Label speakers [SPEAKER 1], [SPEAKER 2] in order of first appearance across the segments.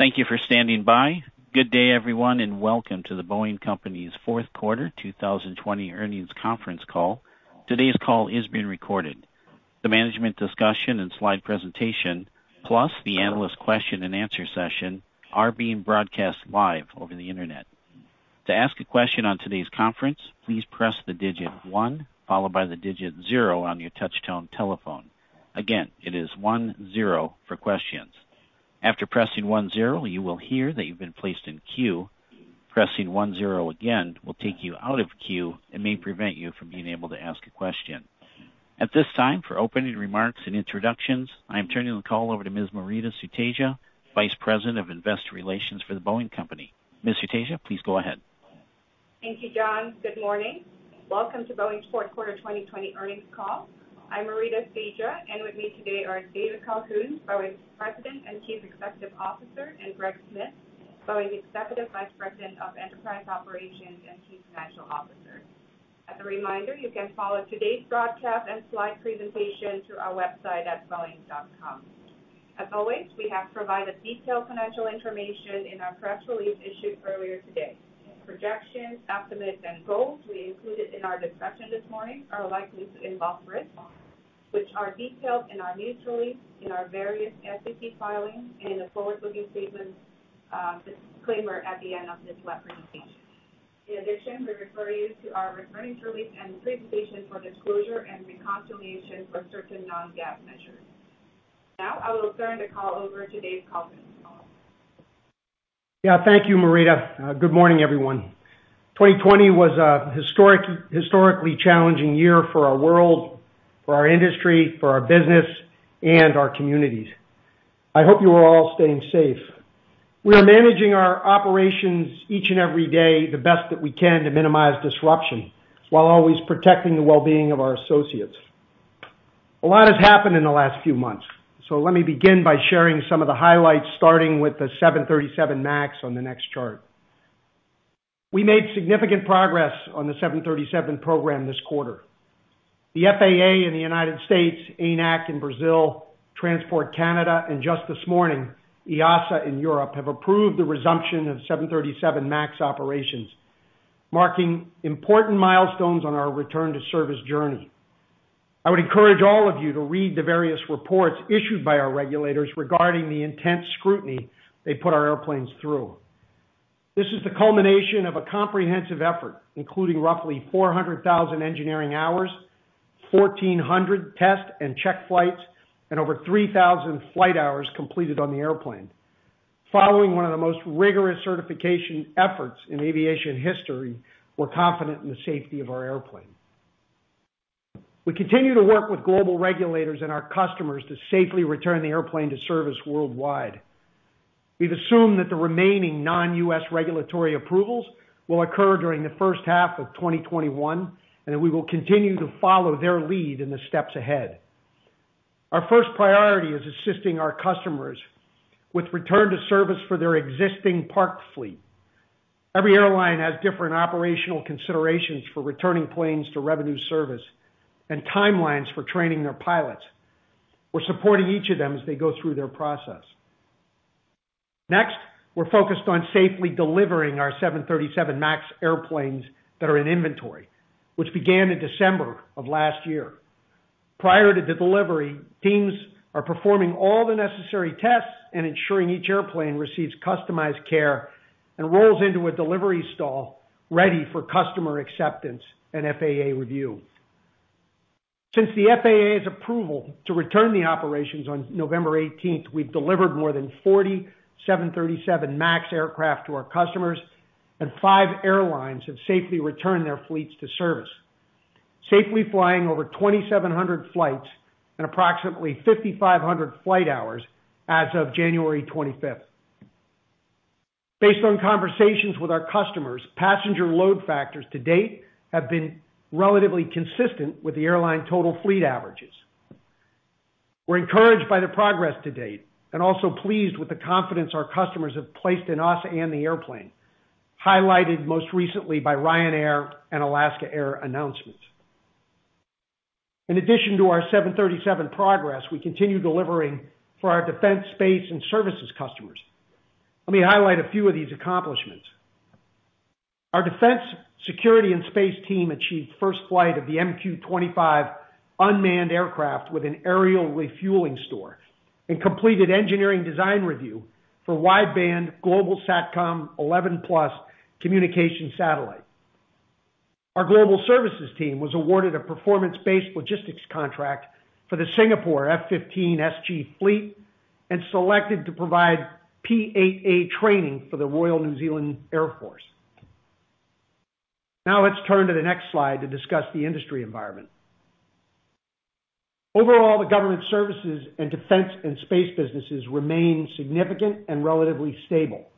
[SPEAKER 1] Thank you for standing by. Good day, everyone, and welcome to The Boeing Company's Fourth Quarter 2020 Earnings Conference Call. Today's call is being recorded. The management discussion and slide presentation, plus the analyst question and answer session are being broadcast live over the internet. To ask a question on today's conference, please press the digit one, followed by the digit 0 on your touch tone telephone. Again, it is one 0 for questions. After pressing one 0, you will hear that you've been placed in queue. Pressing one 0 again will take you out of queue and may prevent you from being able to ask a question. At this time, for opening remarks and introductions, I am turning the call over to Ms. Maurita Sutedja, Vice President of Investor Relations for The Boeing Company. Ms. Sutedja, please go ahead.
[SPEAKER 2] Thank you, John. Good morning. Welcome to Boeing's Fourth Quarter 2020 earnings call. I'm Maurita Sutedja, and with me today are David Calhoun, Boeing's President and Chief Executive Officer, and Greg Smith, Boeing's Executive Vice President of Enterprise Operations and Chief Financial Officer. As a reminder, you can follow today's broadcast and slide presentation through our website at boeing.com. As always, we have provided detailed financial information in our press release issued earlier today. Projections, estimates, and goals we included in our discussion this morning are likely to involve risks, which are detailed in our news release, in our various SEC filings, and in the forward-looking statements disclaimer at the end of this web presentation. In addition, we refer you to our earnings release and presentation for disclosure and reconciliation for certain non-GAAP measures. Now, I will turn the call over to Dave Calhoun.
[SPEAKER 3] Thank you, Maurita. Good morning, everyone. 2020 was a historically challenging year for our world, for our industry, for our business, and our communities. I hope you are all staying safe. We are managing our operations each and every day the best that we can to minimize disruption, while always protecting the well-being of our associates. A lot has happened in the last few months, let me begin by sharing some of the highlights, starting with the 737 MAX on the next chart. We made significant progress on the 737 program this quarter. The FAA in the United States, ANAC in Brazil, Transport Canada, and just this morning, EASA in Europe, have approved the resumption of 737 MAX operations, marking important milestones on our return to service journey. I would encourage all of you to read the various reports issued by our regulators regarding the intense scrutiny they put our airplanes through. This is the culmination of a comprehensive effort, including roughly 400,000 engineering hours, 1,400 test and check flights, and over 3,000 flight hours completed on the airplane. Following one of the most rigorous certification efforts in aviation history, we're confident in the safety of our airplane. We continue to work with global regulators and our customers to safely return the airplane to service worldwide. We've assumed that the remaining non-U.S. regulatory approvals will occur during the first half of 2021, and that we will continue to follow their lead in the steps ahead. Our first priority is assisting our customers with return to service for their existing parked fleet. Every airline has different operational considerations for returning planes to revenue service and timelines for training their pilots. We're supporting each of them as they go through their process. Next, we're focused on safely delivering our 737 MAX airplanes that are in inventory, which began in December of last year. Prior to the delivery, teams are performing all the necessary tests and ensuring each airplane receives customized care and rolls into a delivery stall ready for customer acceptance and FAA review. Since the FAA's approval to return the operations on November 18th, we've delivered more than 40 737 MAX aircraft to our customers, and five airlines have safely returned their fleets to service, safely flying over 2,700 flights and approximately 5,500 flight hours as of January 25th. Based on conversations with our customers, passenger load factors to date have been relatively consistent with the airline total fleet averages. We're encouraged by the progress to date and also pleased with the confidence our customers have placed in us and the airplane, highlighted most recently by Ryanair and Alaska Air announcements. In addition to our 737 progress, we continue delivering for our defense, space, and services customers. Let me highlight a few of these accomplishments. Our defense, security, and space team achieved first flight of the MQ-25 unmanned aircraft with an aerial refueling store and completed engineering design review for Wideband Global SATCOM 11+ communication satellite. Our global services team was awarded a performance-based logistics contract for the Singapore F-15SG fleet and selected to provide P-8A training for the Royal New Zealand Air Force. Let's turn to the next slide to discuss the industry environment. Overall, the government services and defense and space businesses remain significant and relatively stable,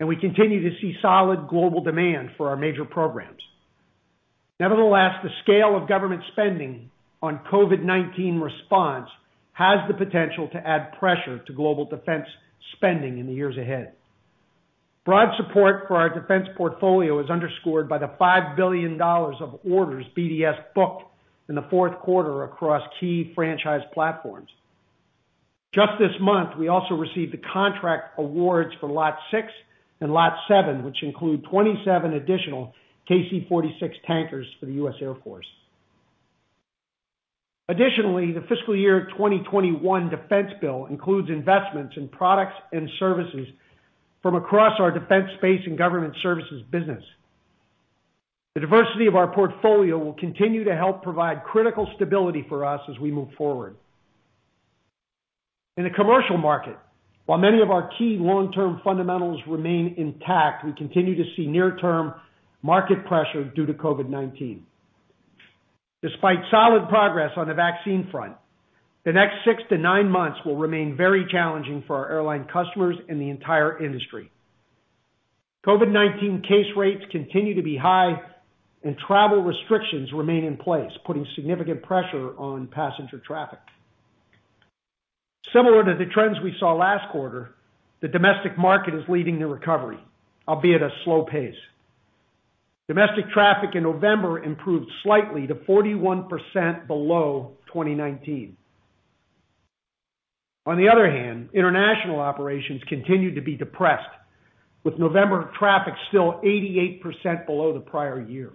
[SPEAKER 3] and we continue to see solid global demand for our major programs. Nevertheless, the scale of government spending on COVID-19 response has the potential to add pressure to global defense spending in the years ahead. Broad support for our defense portfolio is underscored by the $5 billion of orders BDS booked in the fourth quarter across key franchise platforms. Just this month, we also received the contract awards for Lot 6 and Lot 7, which include 27 additional KC-46 tankers for the U.S. Air Force. Additionally, the fiscal year 2021 defense bill includes investments in products and services from across our defense space and government services business. The diversity of our portfolio will continue to help provide critical stability for us as we move forward. In the commercial market, while many of our key long-term fundamentals remain intact, we continue to see near-term market pressure due to COVID-19. Despite solid progress on the vaccine front, the next six to nine months will remain very challenging for our airline customers and the entire industry. COVID-19 case rates continue to be high, and travel restrictions remain in place, putting significant pressure on passenger traffic. Similar to the trends we saw last quarter, the domestic market is leading the recovery, albeit at a slow pace. Domestic traffic in November improved slightly to 41% below 2019. On the other hand, international operations continue to be depressed, with November traffic still 88% below the prior year.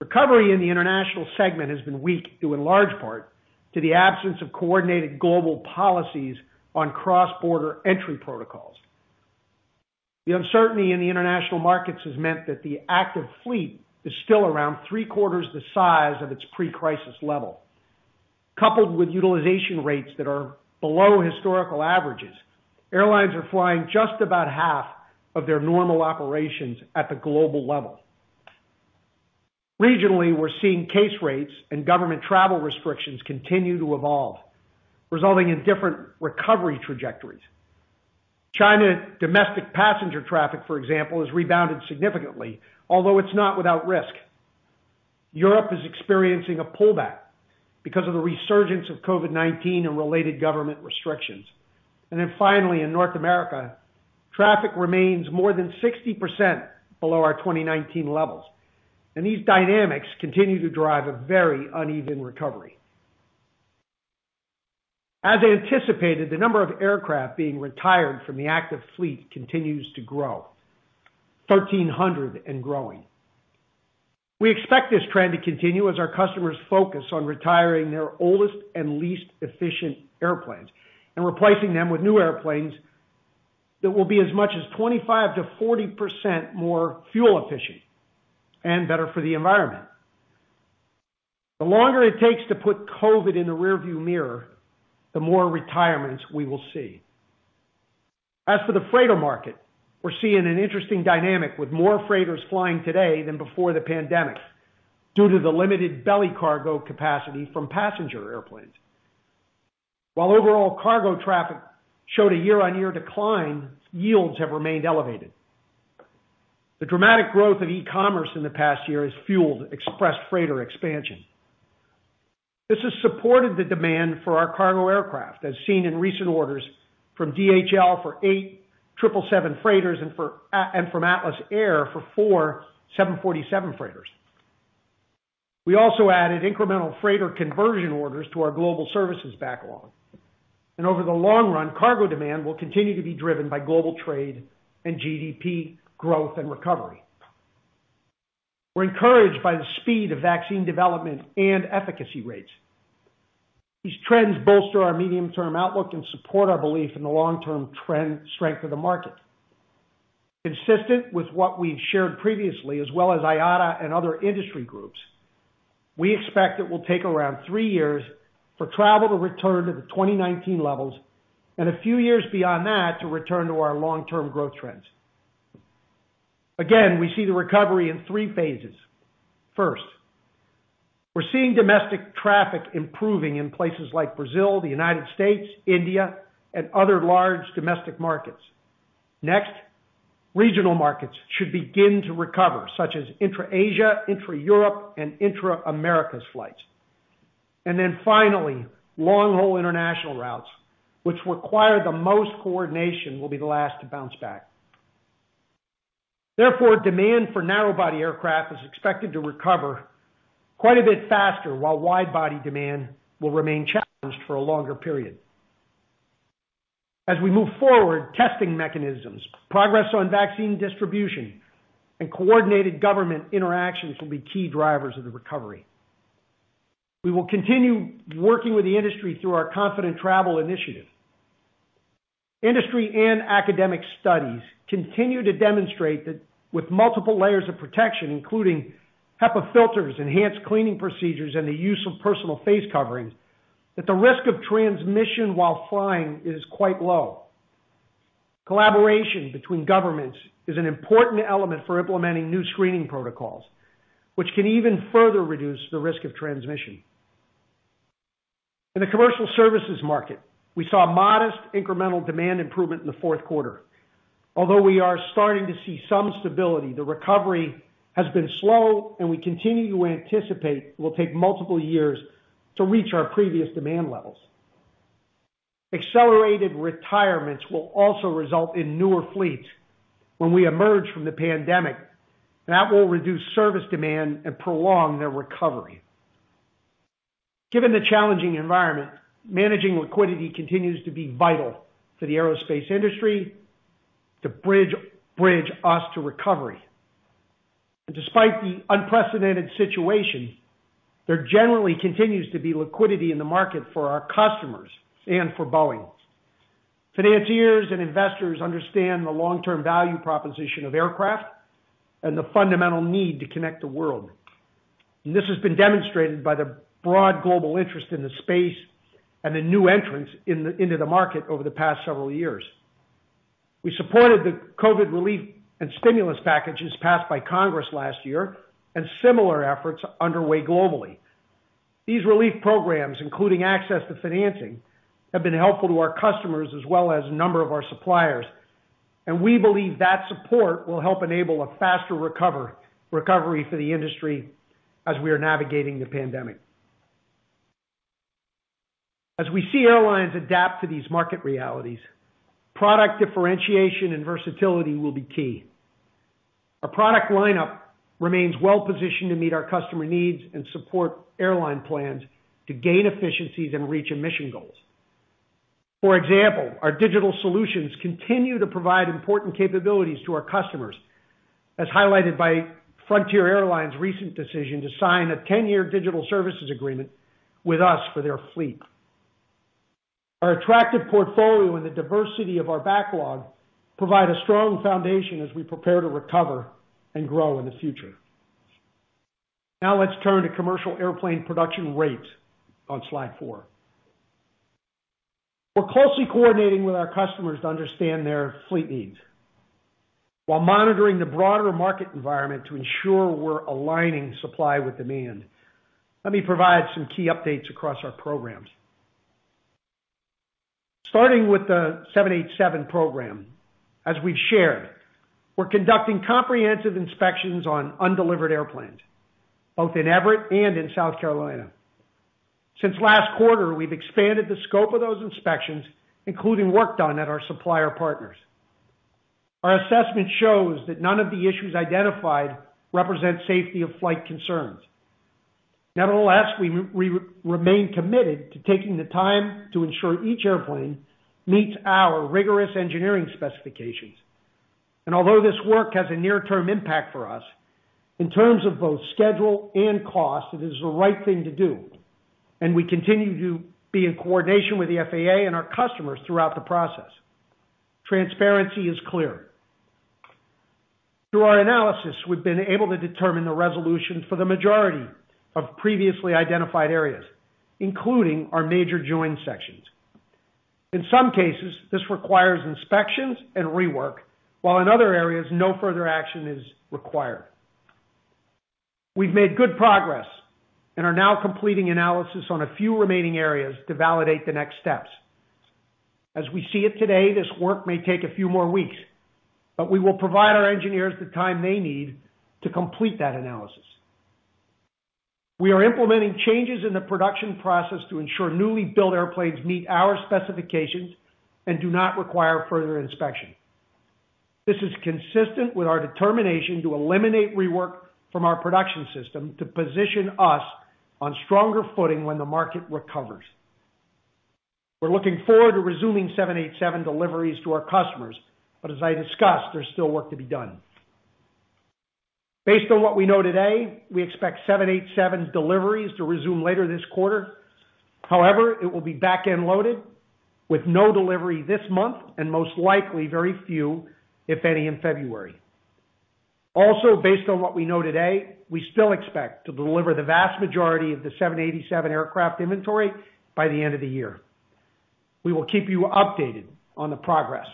[SPEAKER 3] Recovery in the international segment has been weak due in large part to the absence of coordinated global policies on cross-border entry protocols. The uncertainty in the international markets has meant that the active fleet is still around three-quarters the size of its pre-crisis level. Coupled with utilization rates that are below historical averages, airlines are flying just about half of their normal operations at the global level. Regionally, we're seeing case rates and government travel restrictions continue to evolve, resulting in different recovery trajectories. China domestic passenger traffic, for example, has rebounded significantly, although it's not without risk. Europe is experiencing a pullback because of the resurgence of COVID-19 and related government restrictions. Finally, in North America, traffic remains more than 60% below our 2019 levels. These dynamics continue to drive a very uneven recovery. As anticipated, the number of aircraft being retired from the active fleet continues to grow, 1,300 and growing. We expect this trend to continue as our customers focus on retiring their oldest and least efficient airplanes and replacing them with new airplanes that will be as much as 25%-40% more fuel efficient and better for the environment. The longer it takes to put COVID in the rear view mirror, the more retirements we will see. As for the freighter market, we're seeing an interesting dynamic with more freighters flying today than before the pandemic due to the limited belly cargo capacity from passenger airplanes. While overall cargo traffic showed a year-on-year decline, yields have remained elevated. The dramatic growth of e-commerce in the past year has fueled express freighter expansion. This has supported the demand for our cargo aircraft, as seen in recent orders from DHL for eight 777 freighters and from Atlas Air for four 747 freighters. We also added incremental freighter conversion orders to our Global Services backlog. Over the long run, cargo demand will continue to be driven by global trade and GDP growth and recovery. We're encouraged by the speed of vaccine development and efficacy rates. These trends bolster our medium-term outlook and support our belief in the long-term trend strength of the market. Consistent with what we've shared previously, as well as IATA and other industry groups, we expect it will take around three years for travel to return to the 2019 levels and a few years beyond that to return to our long-term growth trends. Again, we see the recovery in three phases. First, we're seeing domestic traffic improving in places like Brazil, the United States, India, and other large domestic markets. Next, regional markets should begin to recover, such as intra-Asia, intra-Europe, and intra-Americas flights. Finally, long-haul international routes, which require the most coordination, will be the last to bounce back. Therefore, demand for narrow-body aircraft is expected to recover quite a bit faster while wide-body demand will remain challenged for a longer period. As we move forward, testing mechanisms, progress on vaccine distribution, and coordinated government interactions will be key drivers of the recovery. We will continue working with the industry through our Confident Travel Initiative. Industry and academic studies continue to demonstrate that with multiple layers of protection, including HEPA filters, enhanced cleaning procedures, and the use of personal face coverings, that the risk of transmission while flying is quite low. Collaboration between governments is an important element for implementing new screening protocols, which can even further reduce the risk of transmission. In the commercial services market, we saw modest incremental demand improvement in the fourth quarter. Although we are starting to see some stability, the recovery has been slow, and we continue to anticipate it will take multiple years to reach our previous demand levels. Accelerated retirements will also result in newer fleets when we emerge from the pandemic, and that will reduce service demand and prolong the recovery. Given the challenging environment, managing liquidity continues to be vital for the aerospace industry to bridge us to recovery. Despite the unprecedented situation, there generally continues to be liquidity in the market for our customers and for Boeing. Financiers and investors understand the long-term value proposition of aircraft and the fundamental need to connect the world. This has been demonstrated by the broad global interest in the space and the new entrants into the market over the past several years. We supported the COVID relief and stimulus packages passed by Congress last year and similar efforts underway globally. These relief programs, including access to financing, have been helpful to our customers as well as a number of our suppliers, and we believe that support will help enable a faster recovery for the industry as we are navigating the pandemic. As we see airlines adapt to these market realities, product differentiation and versatility will be key. Our product lineup remains well positioned to meet our customer needs and support airline plans to gain efficiencies and reach emission goals. For example, our digital solutions continue to provide important capabilities to our customers, as highlighted by Frontier Airlines' recent decision to sign a 10-year digital services agreement with us for their fleet. Our attractive portfolio and the diversity of our backlog provide a strong foundation as we prepare to recover and grow in the future. Now let's turn to commercial airplane production rate on slide four. We're closely coordinating with our customers to understand their fleet needs while monitoring the broader market environment to ensure we're aligning supply with demand. Let me provide some key updates across our programs. Starting with the 787 program, as we've shared, we're conducting comprehensive inspections on undelivered airplanes, both in Everett and in South Carolina. Since last quarter, we've expanded the scope of those inspections, including work done at our supplier partners. Our assessment shows that none of the issues identified represent safety of flight concerns. Nevertheless, we remain committed to taking the time to ensure each airplane meets our rigorous engineering specifications. Although this work has a near-term impact for us, in terms of both schedule and cost, it is the right thing to do, and we continue to be in coordination with the FAA and our customers throughout the process. Transparency is clear. Through our analysis, we've been able to determine the resolution for the majority of previously identified areas, including our major join sections. In some cases, this requires inspections and rework, while in other areas, no further action is required. We've made good progress and are now completing analysis on a few remaining areas to validate the next steps. As we see it today, this work may take a few more weeks, but we will provide our engineers the time they need to complete that analysis. We are implementing changes in the production process to ensure newly built airplanes meet our specifications and do not require further inspection. This is consistent with our determination to eliminate rework from our production system to position us on stronger footing when the market recovers. We're looking forward to resuming 787 deliveries to our customers. As I discussed, there's still work to be done. Based on what we know today, we expect 787 deliveries to resume later this quarter. It will be back-end loaded with no delivery this month and most likely very few, if any, in February. Based on what we know today, we still expect to deliver the vast majority of the 787 aircraft inventory by the end of the year. We will keep you updated on the progress.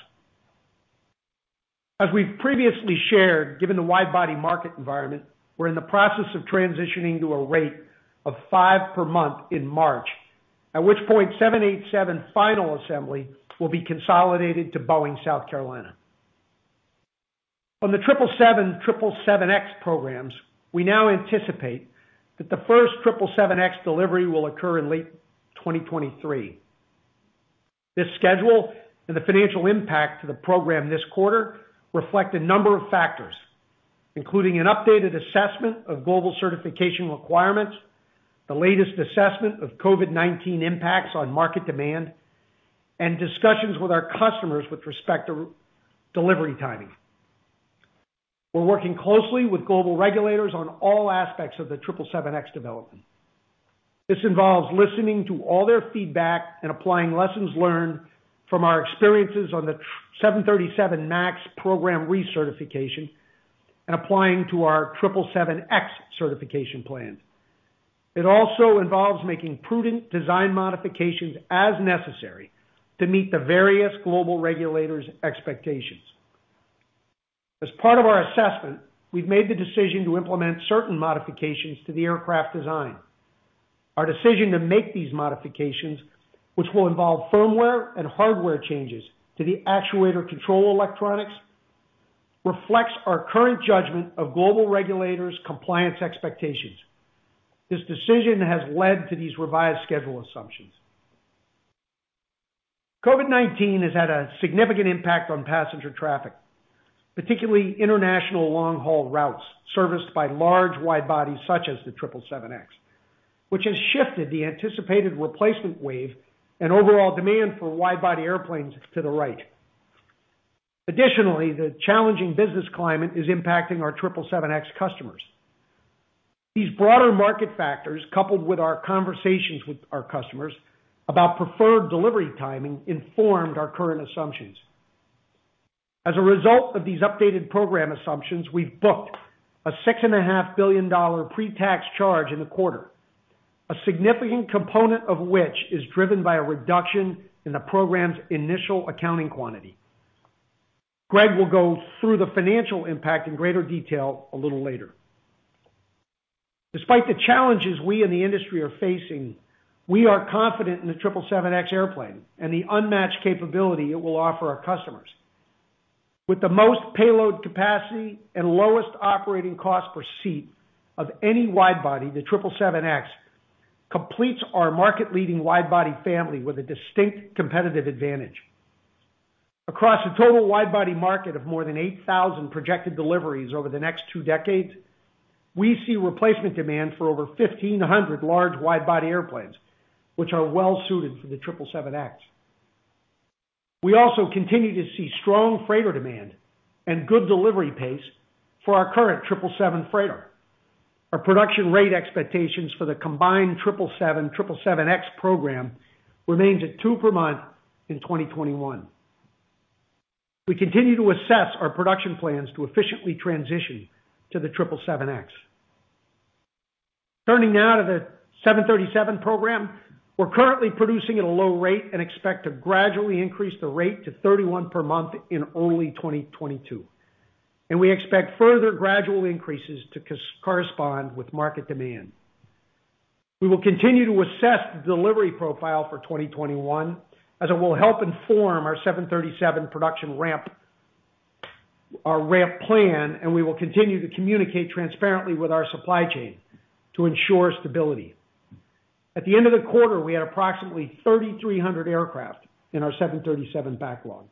[SPEAKER 3] As we've previously shared, given the wide-body market environment, we're in the process of transitioning to a rate of five per month in March. At which point, 787 final assembly will be consolidated to Boeing South Carolina. On the 777, 777X programs, we now anticipate that the first 777X delivery will occur in late 2023. This schedule and the financial impact to the program this quarter reflect a number of factors, including an updated assessment of global certification requirements, the latest assessment of COVID-19 impacts on market demand, and discussions with our customers with respect to delivery timing. We're working closely with global regulators on all aspects of the 777X development. This involves listening to all their feedback and applying lessons learned from our experiences on the 737 MAX program recertification and applying to our 777X certification plan. It also involves making prudent design modifications as necessary to meet the various global regulators' expectations. As part of our assessment, we've made the decision to implement certain modifications to the aircraft design. Our decision to make these modifications, which will involve firmware and hardware changes to the actuator control electronics. Reflects our current judgment of global regulators' compliance expectations. This decision has led to these revised schedule assumptions. COVID-19 has had a significant impact on passenger traffic, particularly international long-haul routes serviced by large wide-bodies such as the 777X, which has shifted the anticipated replacement wave and overall demand for wide-body airplanes to the right. Additionally, the challenging business climate is impacting our 777X customers. These broader market factors, coupled with our conversations with our customers about preferred delivery timing, informed our current assumptions. As a result of these updated program assumptions, we've booked a $6.5 billion pre-tax charge in the quarter, a significant component of which is driven by a reduction in the program's initial accounting quantity. Greg will go through the financial impact in greater detail a little later. Despite the challenges we in the industry are facing, we are confident in the 777X airplane and the unmatched capability it will offer our customers. With the most payload capacity and lowest operating cost per seat of any wide-body, the 777X completes our market-leading wide-body family with a distinct competitive advantage. Across a total wide-body market of more than 8,000 projected deliveries over the next two decades, we see replacement demand for over 1,500 large wide-body airplanes, which are well-suited for the 777X. We also continue to see strong freighter demand and good delivery pace for our current 777 freighter. Our production rate expectations for the combined 777, 777X program remains at two per month in 2021. We continue to assess our production plans to efficiently transition to the 777X. Turning now to the 737 program. We're currently producing at a low rate and expect to gradually increase the rate to 31 per month in early 2022. We expect further gradual increases to correspond with market demand. We will continue to assess the delivery profile for 2021, as it will help inform our 737 production ramp plan. We will continue to communicate transparently with our supply chain to ensure stability. At the end of the quarter, we had approximately 3,300 aircraft in our 737 backlog.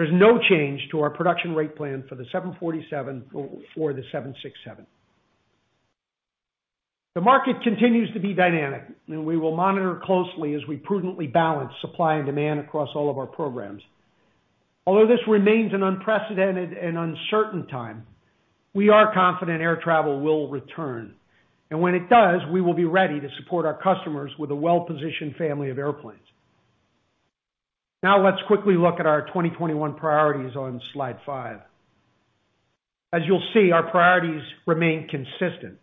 [SPEAKER 3] There's no change to our production rate plan for the 747 or for the 767. The market continues to be dynamic. We will monitor closely as we prudently balance supply and demand across all of our programs. Although this remains an unprecedented and uncertain time, we are confident air travel will return, and when it does, we will be ready to support our customers with a well-positioned family of airplanes. Now let's quickly look at our 2021 priorities on slide five. As you'll see, our priorities remain consistent.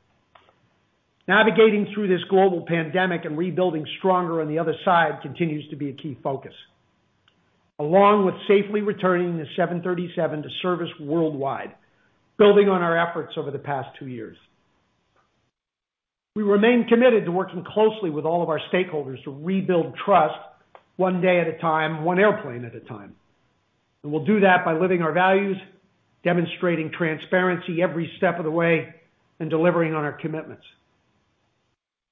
[SPEAKER 3] Navigating through this global pandemic and rebuilding stronger on the other side continues to be a key focus, along with safely returning the 737 to service worldwide, building on our efforts over the past two years. We remain committed to working closely with all of our stakeholders to rebuild trust one day at a time, one airplane at a time, and we'll do that by living our values, demonstrating transparency every step of the way, and delivering on our commitments.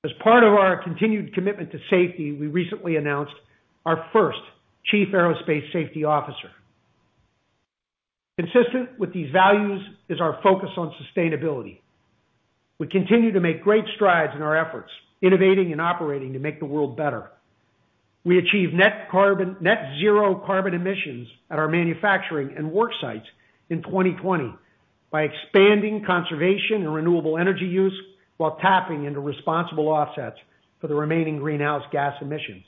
[SPEAKER 3] As part of our continued commitment to safety, we recently announced our first Chief Aerospace Safety Officer. Consistent with these values is our focus on sustainability. We continue to make great strides in our efforts, innovating and operating to make the world better. We achieved net zero carbon emissions at our manufacturing and work sites in 2020 by expanding conservation and renewable energy use while tapping into responsible offsets for the remaining greenhouse gas emissions.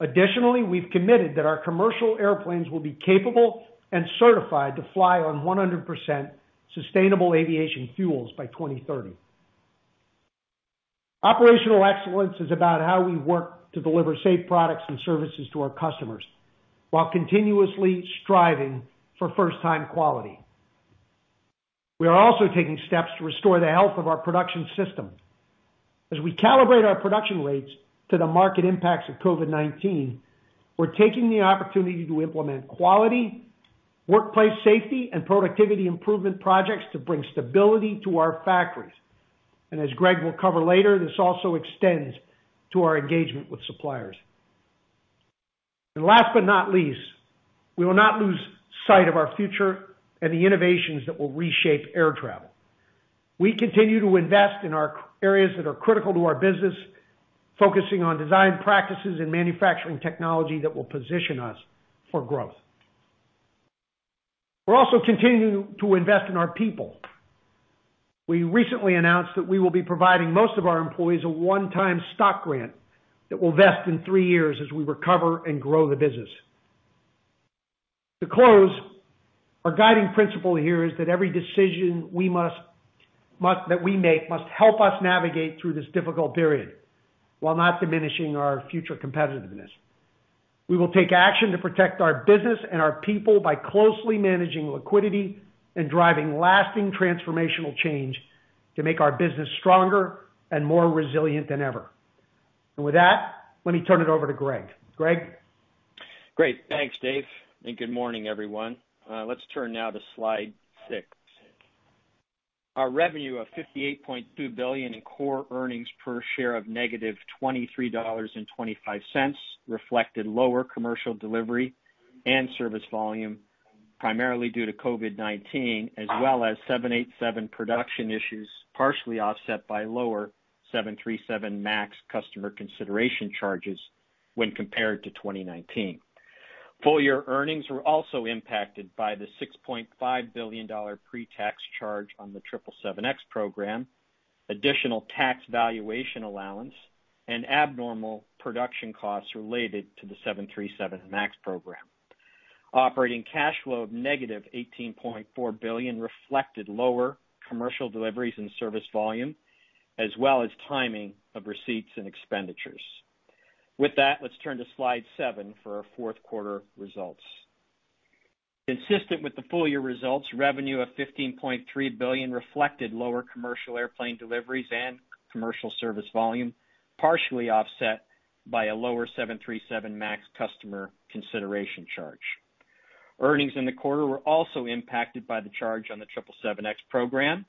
[SPEAKER 3] Additionally, we've committed that our commercial airplanes will be capable and certified to fly on 100% sustainable aviation fuels by 2030. Operational excellence is about how we work to deliver safe products and services to our customers while continuously striving for first-time quality. We are also taking steps to restore the health of our production system. As we calibrate our production rates to the market impacts of COVID-19, we're taking the opportunity to implement quality, workplace safety, and productivity improvement projects to bring stability to our factories. As Greg will cover later, this also extends to our engagement with suppliers. Last but not least, we will not lose sight of our future and the innovations that will reshape air travel. We continue to invest in our areas that are critical to our business, focusing on design practices and manufacturing technology that will position us for growth. We're also continuing to invest in our people. We recently announced that we will be providing most of our employees a one-time stock grant that will vest in three years as we recover and grow the business. To close, our guiding principle here is that every decision that we make must help us navigate through this difficult period while not diminishing our future competitiveness. We will take action to protect our business and our people by closely managing liquidity and driving lasting transformational change to make our business stronger and more resilient than ever. With that, let me turn it over to Greg. Greg?
[SPEAKER 4] Great. Thanks, Dave, and good morning, everyone. Let's turn now to slide six. Our revenue of $58.2 billion in core earnings per share of - $23.25 reflected lower commercial delivery and service volume, primarily due to COVID-19, as well as 787 production issues, partially offset by lower 737 MAX customer consideration charges when compared to 2019. Full year earnings were also impacted by the $6.5 billion pre-tax charge on the 777X program, additional tax valuation allowance, and abnormal production costs related to the 737 MAX program. Operating cash flow of -$18.4 billion reflected lower commercial deliveries and service volume, as well as timing of receipts and expenditures. With that, let's turn to slide seven for our fourth quarter results. Consistent with the full year results, revenue of $15.3 billion reflected lower commercial airplane deliveries and commercial service volume, partially offset by a lower 737 MAX customer consideration charge. Earnings in the quarter were also impacted by the charge on the 777X program,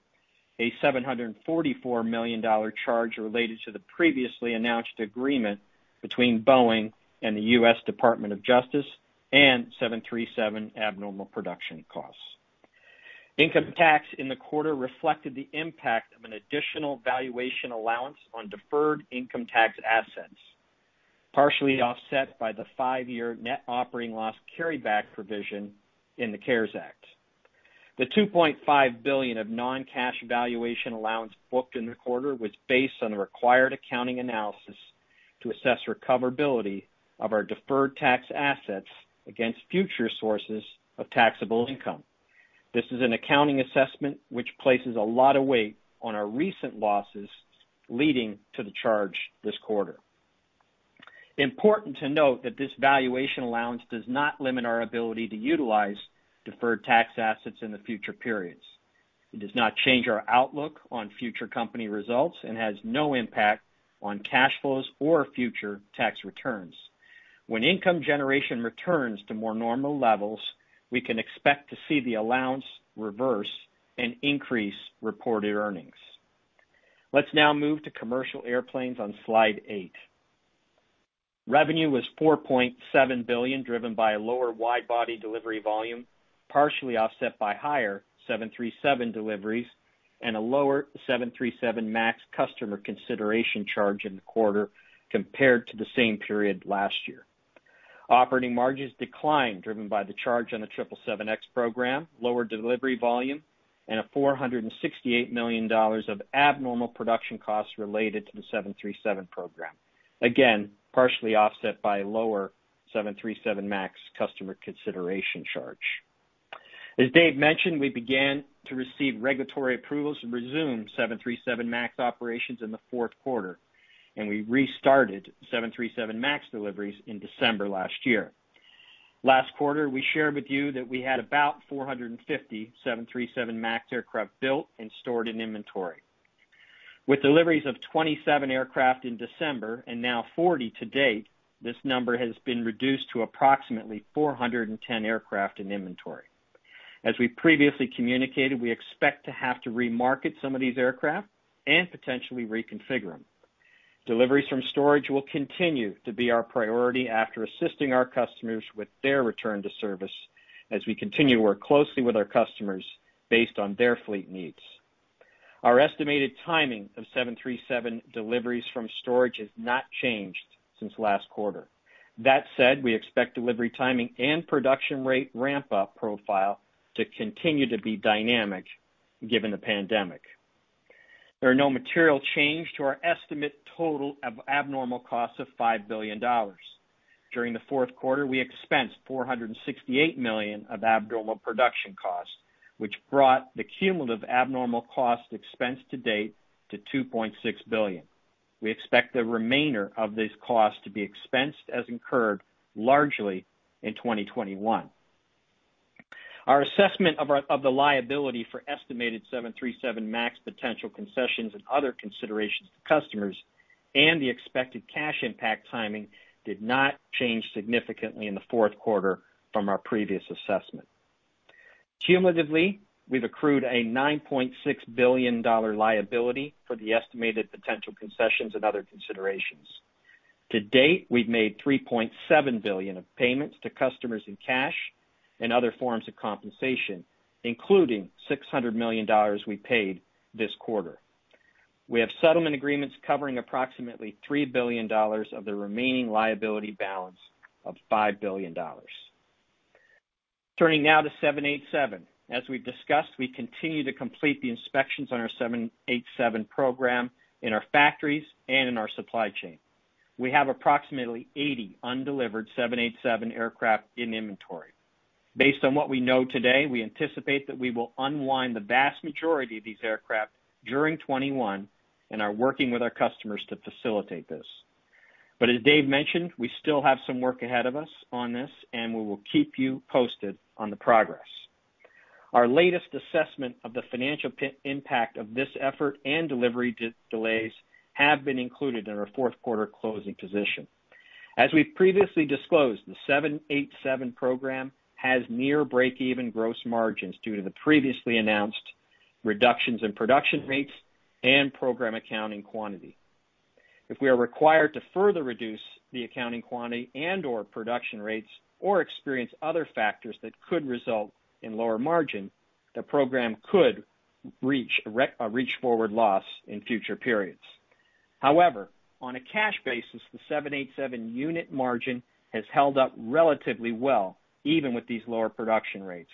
[SPEAKER 4] a $744 million charge related to the previously announced agreement between Boeing and the U.S. Department of Justice, and 737 abnormal production costs. Income tax in the quarter reflected the impact of an additional valuation allowance on deferred income tax assets, partially offset by the five-year net operating loss carryback provision in the CARES Act. The $2.5 billion of non-cash valuation allowance booked in the quarter was based on the required accounting analysis to assess recoverability of our deferred tax assets against future sources of taxable income. This is an accounting assessment which places a lot of weight on our recent losses, leading to the charge this quarter. Important to note that this valuation allowance does not limit our ability to utilize deferred tax assets in the future periods. It does not change our outlook on future company results and has no impact on cash flows or future tax returns. When income generation returns to more normal levels, we can expect to see the allowance reverse and increase reported earnings. Let's now move to Commercial Airplanes on Slide eight. Revenue was $4.7 billion, driven by a lower wide-body delivery volume, partially offset by higher 737 deliveries and a lower 737 MAX customer consideration charge in the quarter compared to the same period last year. Operating margins declined, driven by the charge on the 777X program, lower delivery volume, and a $468 million of abnormal production costs related to the 737 program. Partially offset by a lower 737 MAX customer consideration charge. As Dave mentioned, we began to receive regulatory approvals and resumed 737 MAX operations in the fourth quarter, and we restarted 737 MAX deliveries in December last year. Last quarter, we shared with you that we had about 450 737 MAX aircraft built and stored in inventory. With deliveries of 27 aircraft in December and now 40 to date, this number has been reduced to approximately 410 aircraft in inventory. As we previously communicated, we expect to have to remarket some of these aircraft and potentially reconfigure them. Deliveries from storage will continue to be our priority after assisting our customers with their return to service as we continue to work closely with our customers based on their fleet needs. Our estimated timing of 737 deliveries from storage has not changed since last quarter. That said, we expect delivery timing and production rate ramp-up profile to continue to be dynamic given the pandemic. There are no material change to our estimate total of abnormal costs of $5 billion. During the fourth quarter, we expensed $468 million of abnormal production costs, which brought the cumulative abnormal cost expense to date to $2.6 billion. We expect the remainder of this cost to be expensed as incurred largely in 2021. Our assessment of the liability for estimated 737 MAX potential concessions and other considerations to customers and the expected cash impact timing did not change significantly in the fourth quarter from our previous assessment. Cumulatively, we've accrued a $9.6 billion liability for the estimated potential concessions and other considerations. To date, we've made $3.7 billion of payments to customers in cash and other forms of compensation, including $600 million we paid this quarter. We have settlement agreements covering approximately $3 billion of the remaining liability balance of $5 billion. Turning now to 787. As we've discussed, we continue to complete the inspections on our 787 program in our factories and in our supply chain. We have approximately 80 undelivered 787 aircraft in inventory. Based on what we know today, we anticipate that we will unwind the vast majority of these aircraft during 2021 and are working with our customers to facilitate this. As Dave mentioned, we still have some work ahead of us on this, and we will keep you posted on the progress. Our latest assessment of the financial impact of this effort and delivery delays have been included in our fourth quarter closing position. As we previously disclosed, the 787 program has near breakeven gross margins due to the previously announced reductions in production rates and program accounting quantity. If we are required to further reduce the accounting quantity and/or production rates or experience other factors that could result in lower margin, the program could reach a reach-forward loss in future periods. On a cash basis, the 787 unit margin has held up relatively well even with these lower production rates,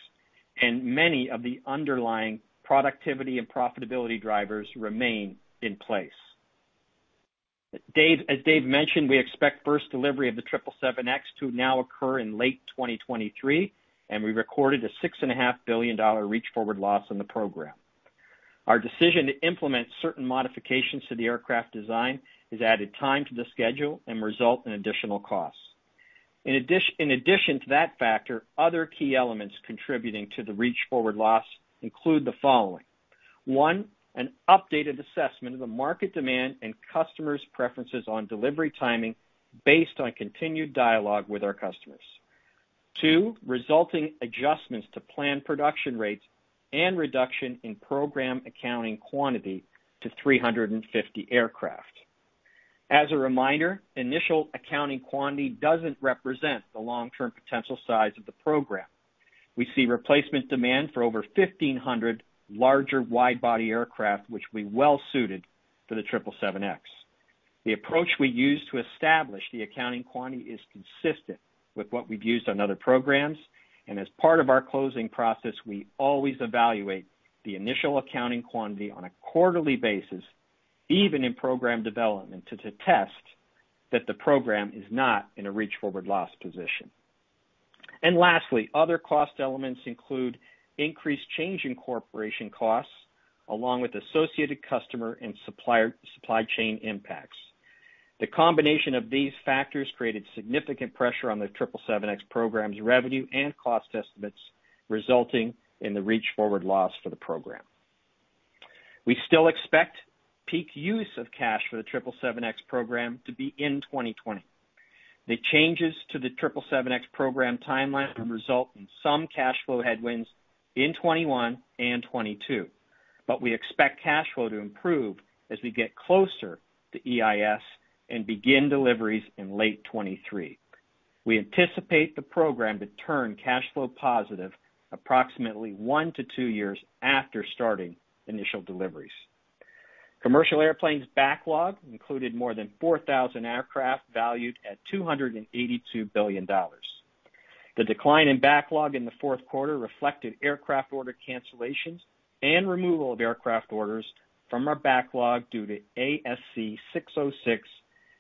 [SPEAKER 4] and many of the underlying productivity and profitability drivers remain in place. As Dave mentioned, we expect first delivery of the 777X to now occur in late 2023, and we recorded a $6.5 billion reach-forward loss on the program. Our decision to implement certain modifications to the aircraft design has added time to the schedule and result in additional costs. In addition to that factor, other key elements contributing to the reach-forward loss include the following. One, an updated assessment of the market demand and customers' preferences on delivery timing based on continued dialogue with our customers. Two, resulting adjustments to planned production rates and reduction in program accounting quantity to 350 aircraft. As a reminder, initial accounting quantity doesn't represent the long-term potential size of the program. We see replacement demand for over 1,500 larger wide-body aircraft, which will be well-suited for the 777X. The approach we use to establish the accounting quantity is consistent with what we've used on other programs, and as part of our closing process, we always evaluate the initial accounting quantity on a quarterly basis, even in program development, to test that the program is not in a reach-forward loss position. Lastly, other cost elements include increased change in estimate costs, along with associated customer and supply chain impacts. The combination of these factors created significant pressure on the 777X program's revenue and cost estimates, resulting in the reach-forward loss for the program. We still expect peak use of cash for the 777X program to be in 2020. The changes to the 777X program timeline will result in some cash flow headwinds in 2021 and 2022. We expect cash flow to improve as we get closer to EIS and begin deliveries in late 2023. We anticipate the program to turn cash flow positive approximately one to two years after starting initial deliveries. Commercial airplanes backlog included more than 4,000 aircraft valued at $282 billion. The decline in backlog in the fourth quarter reflected aircraft order cancellations and removal of aircraft orders from our backlog due to ASC 606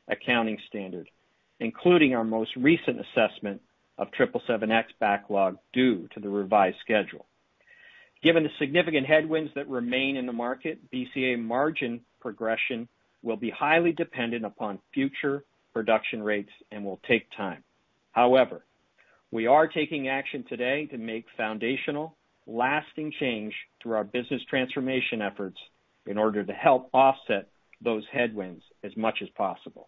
[SPEAKER 4] accounting standard, including our most recent assessment of 777X backlog due to the revised schedule. Given the significant headwinds that remain in the market, BCA margin progression will be highly dependent upon future production rates and will take time. However, we are taking action today to make foundational, lasting change through our business transformation efforts in order to help offset those headwinds as much as possible.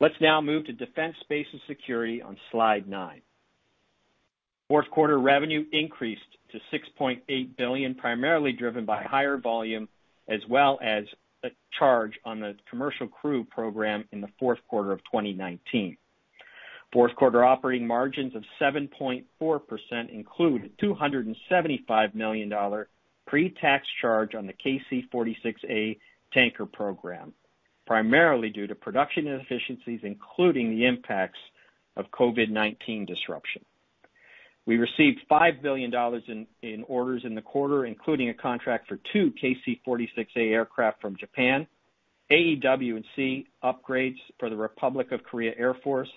[SPEAKER 4] Let's now move to defense, space, and security on slide nine. Fourth quarter revenue increased to $6.8 billion, primarily driven by higher volume, as well as a charge on the Commercial Crew Program in the fourth quarter of 2019. Fourth quarter operating margins of 7.4% include a $275 million pre-tax charge on the KC-46A tanker program, primarily due to production inefficiencies, including the impacts of COVID-19 disruption. We received $5 billion in orders in the quarter, including a contract for two KC-46A aircraft from Japan, AEW&C upgrades for the Republic of Korea Air Force,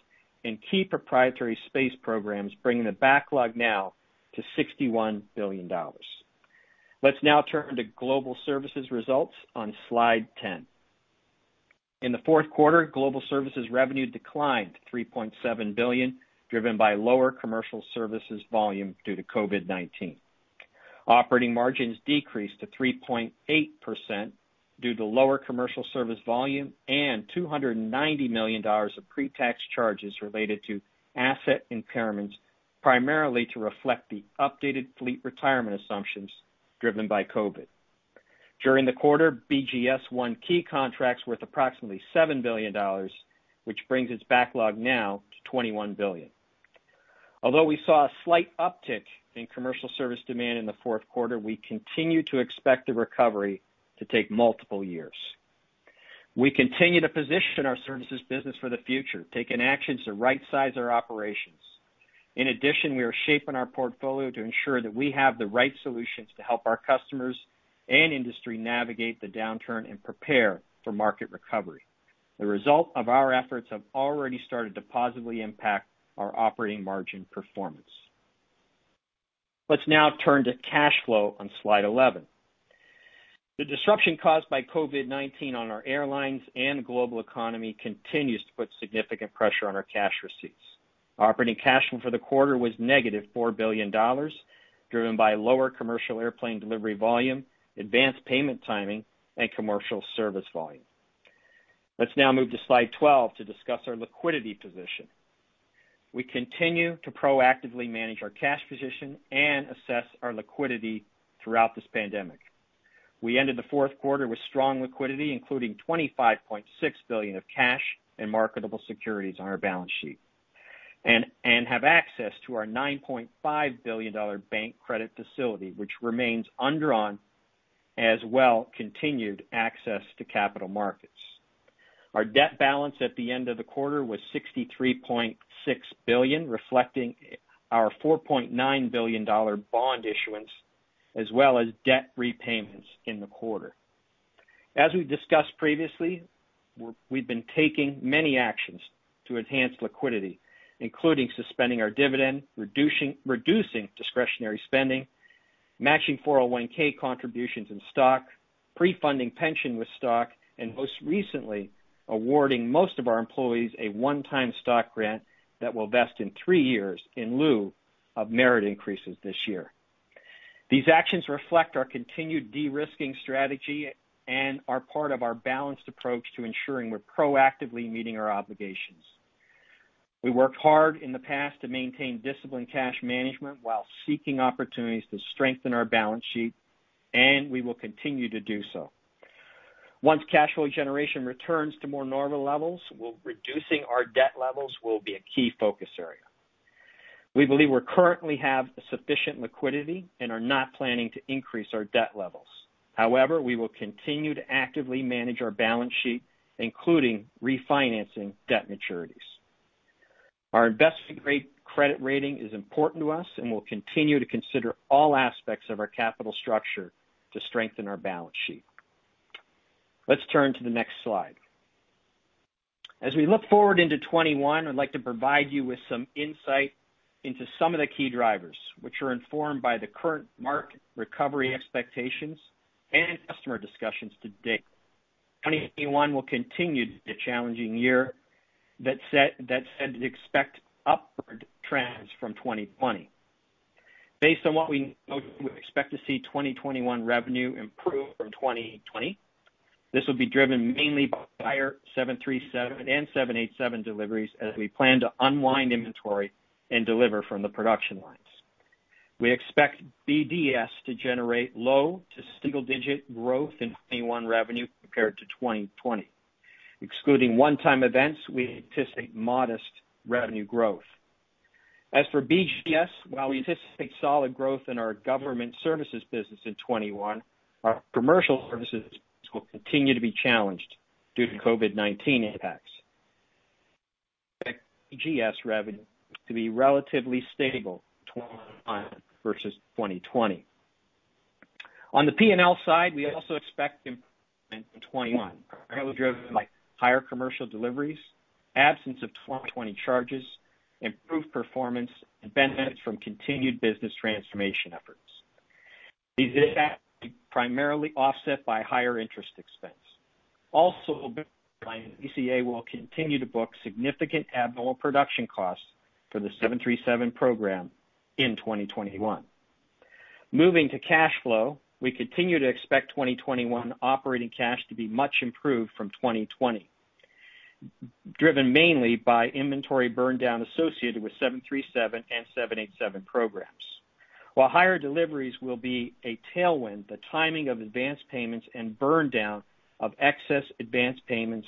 [SPEAKER 4] and key proprietary space programs, bringing the backlog now to $61 billion. Let's now turn to global services results on slide 10. In the fourth quarter, global services revenue declined to $3.7 billion, driven by lower commercial services volume due to COVID-19. Operating margins decreased to 3.8% due to lower commercial service volume and $290 million of pre-tax charges related to asset impairments, primarily to reflect the updated fleet retirement assumptions driven by COVID. During the quarter, BGS won key contracts worth approximately $7 billion, which brings its backlog now to $21 billion. Although we saw a slight uptick in commercial service demand in the fourth quarter, we continue to expect the recovery to take multiple years. We continue to position our services business for the future, taking actions to right size our operations. In addition, we are shaping our portfolio to ensure that we have the right solutions to help our customers and industry navigate the downturn and prepare for market recovery. The result of our efforts have already started to positively impact our operating margin performance. Let's now turn to cash flow on slide 11. The disruption caused by COVID-19 on our airlines and global economy continues to put significant pressure on our cash receipts. Operating cash flow for the quarter was -$4 billion, driven by lower commercial airplane delivery volume, advanced payment timing, and commercial service volume. Let's now move to slide 12 to discuss our liquidity position. We continue to proactively manage our cash position and assess our liquidity throughout this pandemic. We ended the fourth quarter with strong liquidity, including $25.6 billion of cash and marketable securities on our balance sheet, and have access to our $9.5 billion bank credit facility, which remains undrawn, as well continued access to capital markets. Our debt balance at the end of the quarter was $63.6 billion, reflecting our $4.9 billion bond issuance, as well as debt repayments in the quarter. As we've discussed previously, we've been taking many actions to enhance liquidity, including suspending our dividend, reducing discretionary spending, matching 401(k) contributions in stock, pre-funding pension with stock, and most recently, awarding most of our employees a one-time stock grant that will vest in three years in lieu of merit increases this year. These actions reflect our continued de-risking strategy and are part of our balanced approach to ensuring we're proactively meeting our obligations. We worked hard in the past to maintain disciplined cash management while seeking opportunities to strengthen our balance sheet, and we will continue to do so. Once cash flow generation returns to more normal levels, reducing our debt levels will be a key focus area. We believe we currently have sufficient liquidity and are not planning to increase our debt levels. We will continue to actively manage our balance sheet, including refinancing debt maturities. Our investment-grade credit rating is important to us, and we'll continue to consider all aspects of our capital structure to strengthen our balance sheet. Let's turn to the next slide. As we look forward into 2021, I'd like to provide you with some insight into some of the key drivers, which are informed by the current market recovery expectations and customer discussions to date. 2021 will continue to be a challenging year that said to expect upward trends from 2020. Based on what we know, we expect to see 2021 revenue improve from 2020. This will be driven mainly by higher 737 and 787 deliveries as we plan to unwind inventory and deliver from the production lines. We expect BDS to generate low to single-digit growth in 2021 revenue compared to 2020. Excluding one-time events, we anticipate modest revenue growth. As for BGS, while we anticipate solid growth in our government services business in 2021, our commercial services will continue to be challenged due to COVID-19 impacts. We expect BGS revenue to be relatively stable in 2021 versus 2020. On the P&L side, we also expect improvement in 2021. That was driven by higher commercial deliveries, absence of 2020 charges, improved performance, and benefits from continued business transformation efforts. These impacts are primarily offset by higher interest expense. Also, BCA will continue to book significant abnormal production costs for the 737 program in 2021. Moving to cash flow, we continue to expect 2021 operating cash to be much improved from 2020, driven mainly by inventory burn down associated with 737 and 787 programs. While higher deliveries will be a tailwind, the timing of advanced payments and burn down of excess advanced payments,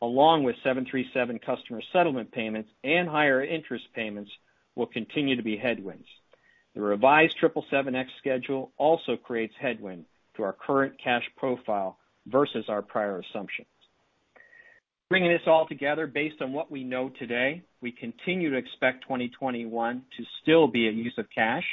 [SPEAKER 4] along with 737 customer settlement payments and higher interest payments will continue to be headwinds. The revised 777X schedule also creates headwind to our current cash profile versus our prior assumptions. Bringing this all together based on what we know today, we continue to expect 2021 to still be a use of cash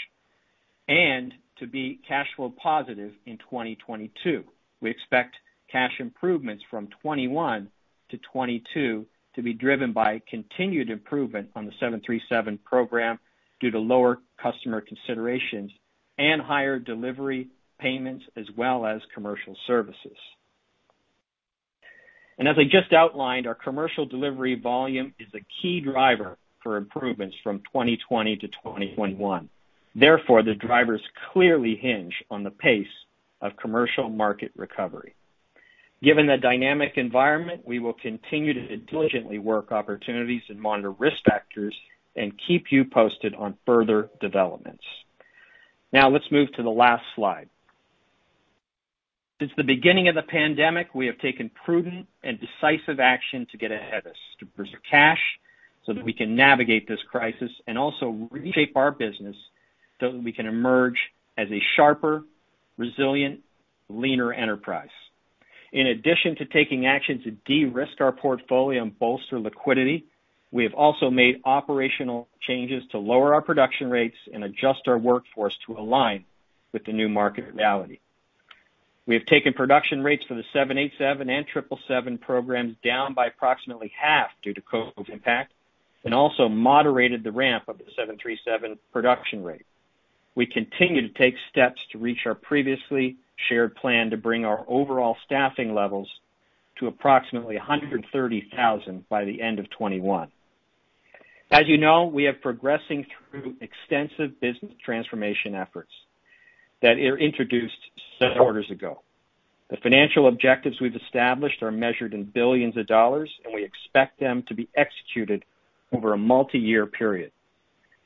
[SPEAKER 4] and to be cash flow positive in 2022. We expect cash improvements from 2021 to 2022 to be driven by continued improvement on the 737 program due to lower customer considerations and higher delivery payments as well as commercial services. As I just outlined, our commercial delivery volume is a key driver for improvements from 2020 to 2021. Therefore, the drivers clearly hinge on the pace of commercial market recovery. Given the dynamic environment, we will continue to diligently work opportunities and monitor risk factors and keep you posted on further developments. Now let's move to the last slide. Since the beginning of the pandemic, we have taken prudent and decisive action to get ahead of this. To preserve cash so that we can navigate this crisis and also reshape our business so that we can emerge as a sharper, resilient, leaner enterprise. In addition to taking action to de-risk our portfolio and bolster liquidity, we have also made operational changes to lower our production rates and adjust our workforce to align with the new market reality. We have taken production rates for the 787 and 777 programs down by approximately half due to COVID impact. Also moderated the ramp of the 737 production rate. We continue to take steps to reach our previously shared plan to bring our overall staffing levels to approximately 130,000 by the end of 2021. As you know, we are progressing through extensive business transformation efforts that were introduced some quarters ago. The financial objectives we've established are measured in billions of dollars, and we expect them to be executed over a multi-year period.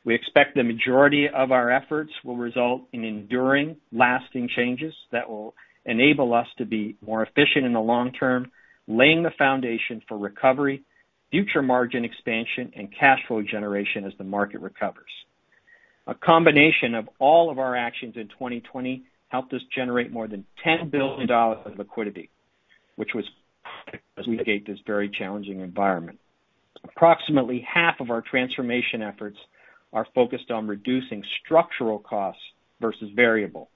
[SPEAKER 4] We expect the majority of our efforts will result in enduring, lasting changes that will enable us to be more efficient in the long term, laying the foundation for recovery, future margin expansion, and cash flow generation as the market recovers. A combination of all of our actions in 2020 helped us generate more than $10 billion of liquidity, which was critical as we navigate this very challenging environment. Approximately half of our transformation efforts are focused on reducing structural costs versus variable.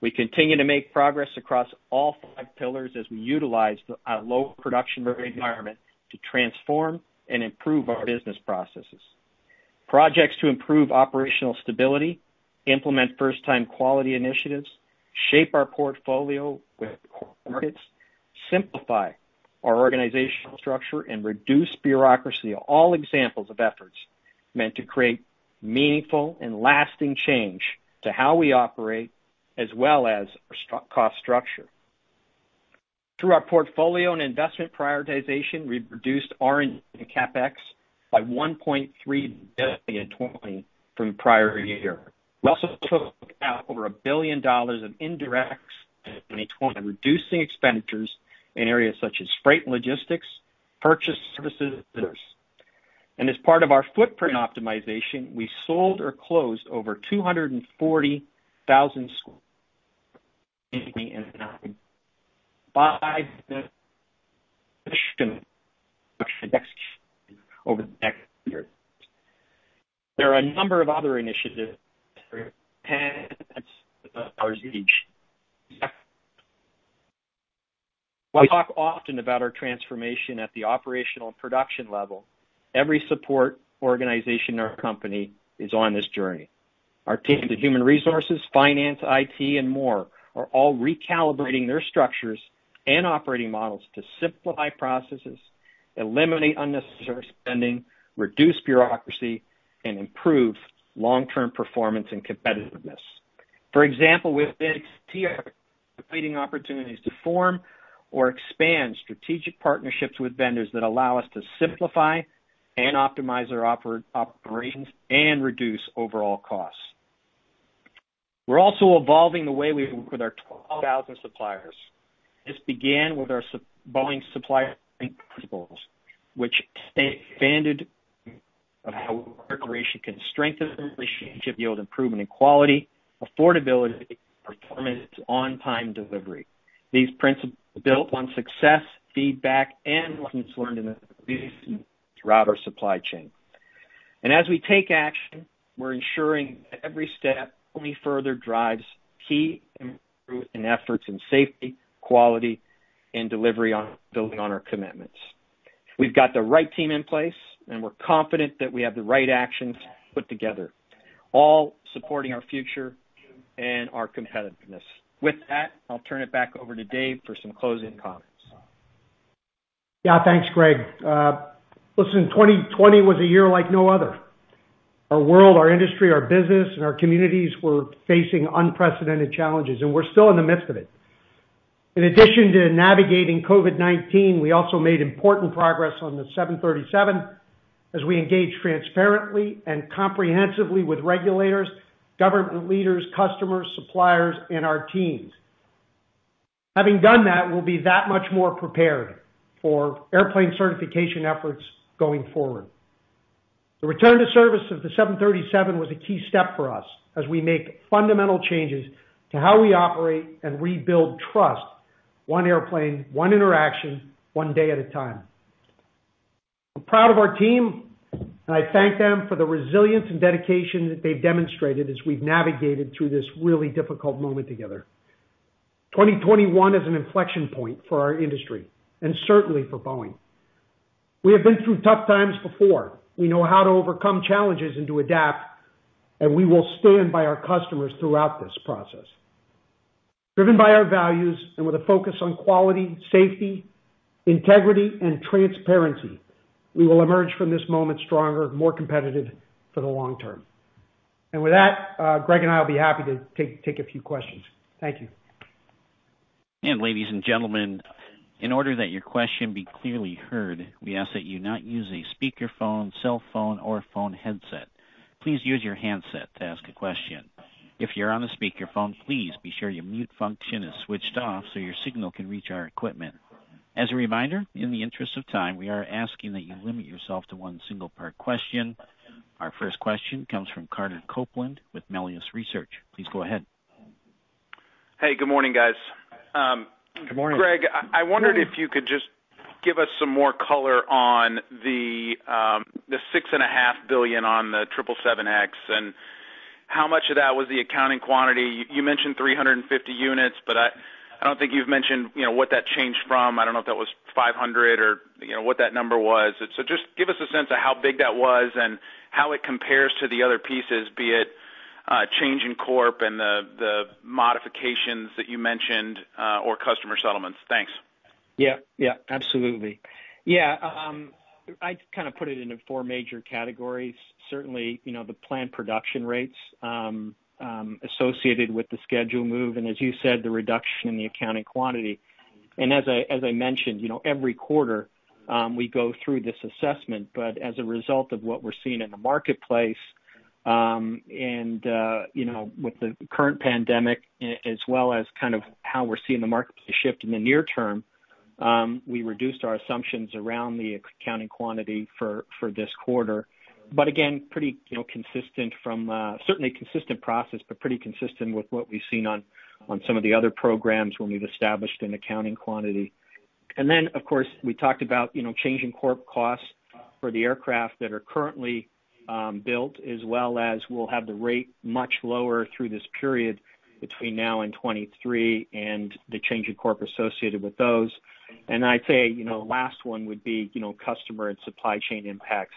[SPEAKER 4] We continue to make progress across all five pillars as we utilize a low production rate environment to transform and improve our business processes. Projects to improve operational stability, implement first-time quality initiatives, shape our portfolio with core markets, simplify our organizational structure, and reduce bureaucracy are all examples of efforts meant to create meaningful and lasting change to how we operate as well as our cost structure. Through our portfolio and investment prioritization, we've reduced R&D and CapEx by $1.3 billion in 2020 from the prior year. We also took out over $1 billion of indirect spend in 2020, reducing expenditures in areas such as freight and logistics, purchase services, and others. As part of our footprint optimization, we sold or closed over 240,000 sq ft in 2019. There are a number of other initiatives that each. We talk often about our transformation at the operational and production level. Every support organization in our company is on this journey. Our teams in human resources, finance, IT, and more are all recalibrating their structures and operating models to simplify processes, eliminate unnecessary spending, reduce bureaucracy, and improve long-term performance and competitiveness. For example, within IT, we're completing opportunities to form or expand strategic partnerships with vendors that allow us to simplify and optimize our operations and reduce overall costs. We're also evolving the way we work with our 12,000 suppliers. This began with our Boeing Supply Chain Principles, which take a expanded look of how our collaboration can strengthen relationships, yield improvement in quality, affordability, performance, and on-time delivery. These principles are built upon success, feedback, and lessons learned in the business and throughout our supply chain. As we take action, we're ensuring that every step only further drives key improvement in efforts in safety, quality, and delivery on building on our commitments. We've got the right team in place, and we're confident that we have the right actions put together, all supporting our future and our competitiveness. With that, I'll turn it back over to Dave for some closing comments.
[SPEAKER 3] Thanks, Greg. Listen, 2020 was a year like no other. Our world, our industry, our business, and our communities were facing unprecedented challenges, and we're still in the midst of it. In addition to navigating COVID-19, we also made important progress on the 737 as we engage transparently and comprehensively with regulators, government leaders, customers, suppliers, and our teams. Having done that, we'll be that much more prepared for airplane certification efforts going forward. The return to service of the 737 was a key step for us as we make fundamental changes to how we operate and rebuild trust one airplane, one interaction, one day at a time. I'm proud of our team, and I thank them for the resilience and dedication that they've demonstrated as we've navigated through this really difficult moment together. 2021 is an inflection point for our industry and certainly for Boeing. We have been through tough times before. We know how to overcome challenges and to adapt, and we will stand by our customers throughout this process. Driven by our values and with a focus on quality, safety, integrity, and transparency, we will emerge from this moment stronger, more competitive for the long term. With that, Greg and I will be happy to take a few questions. Thank you.
[SPEAKER 1] Our first question comes from Carter Copeland with Melius Research. Please go ahead.
[SPEAKER 5] Hey, good morning, guys.
[SPEAKER 3] Good morning.
[SPEAKER 5] Greg, I wondered if you could just give us some more color on the $6.5 billion on the 777X. How much of that was the accounting quantity? You mentioned 350 units, but I don't think you've mentioned what that changed from. I don't know if that was 500 or what that number was. Just give us a sense of how big that was and how it compares to the other pieces, be it change incorporation and the modifications that you mentioned, or customer settlements. Thanks.
[SPEAKER 4] Yeah. Absolutely. I put it into four major categories. Certainly, the planned production rates associated with the schedule move, and as you said, the reduction in the accounting quantity. As I mentioned, every quarter, we go through this assessment. As a result of what we're seeing in the marketplace, and with the current pandemic, as well as how we're seeing the marketplace shift in the near term, we reduced our assumptions around the accounting quantity for this quarter. Again, certainly a consistent process, but pretty consistent with what we've seen on some of the other programs when we've established an accounting quantity. Of course, we talked about change incorporation costs for the aircraft that are currently built, as well as we'll have the rate much lower through this period between now and 2023, and the change incorp associated with those. I'd say, last one would be customer and supply chain impacts,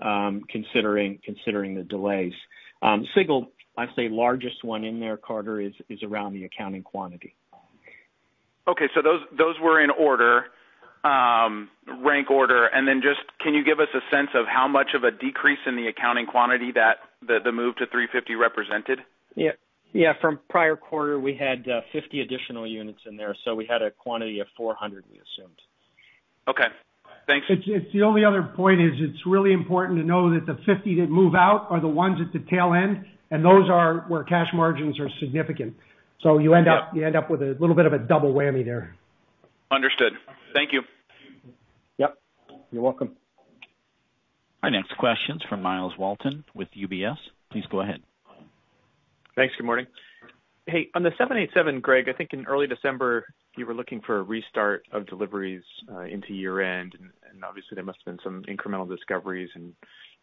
[SPEAKER 4] considering the delays. The single, I'd say, largest one in there, Carter, is around the accounting quantity.
[SPEAKER 5] Okay. Those were in rank order. Then just can you give us a sense of how much of a decrease in the accounting quantity that the move to 350 represented?
[SPEAKER 4] Yeah. From prior quarter, we had 50 additional units in there, so we had a quantity of 400, we assumed.
[SPEAKER 5] Okay. Thanks.
[SPEAKER 3] The only other point is it's really important to know that the 50 that move out are the ones at the tail end, and those are where cash margins are significant. You end up with a little bit of a double whammy there.
[SPEAKER 5] Understood. Thank you.
[SPEAKER 4] Yep. You're welcome.
[SPEAKER 1] Our next question's from Myles Walton with UBS. Please go ahead.
[SPEAKER 6] Thanks. Good morning. Hey, on the 787, Greg, I think in early December, you were looking for a restart of deliveries into year-end. Obviously there must have been some incremental discoveries and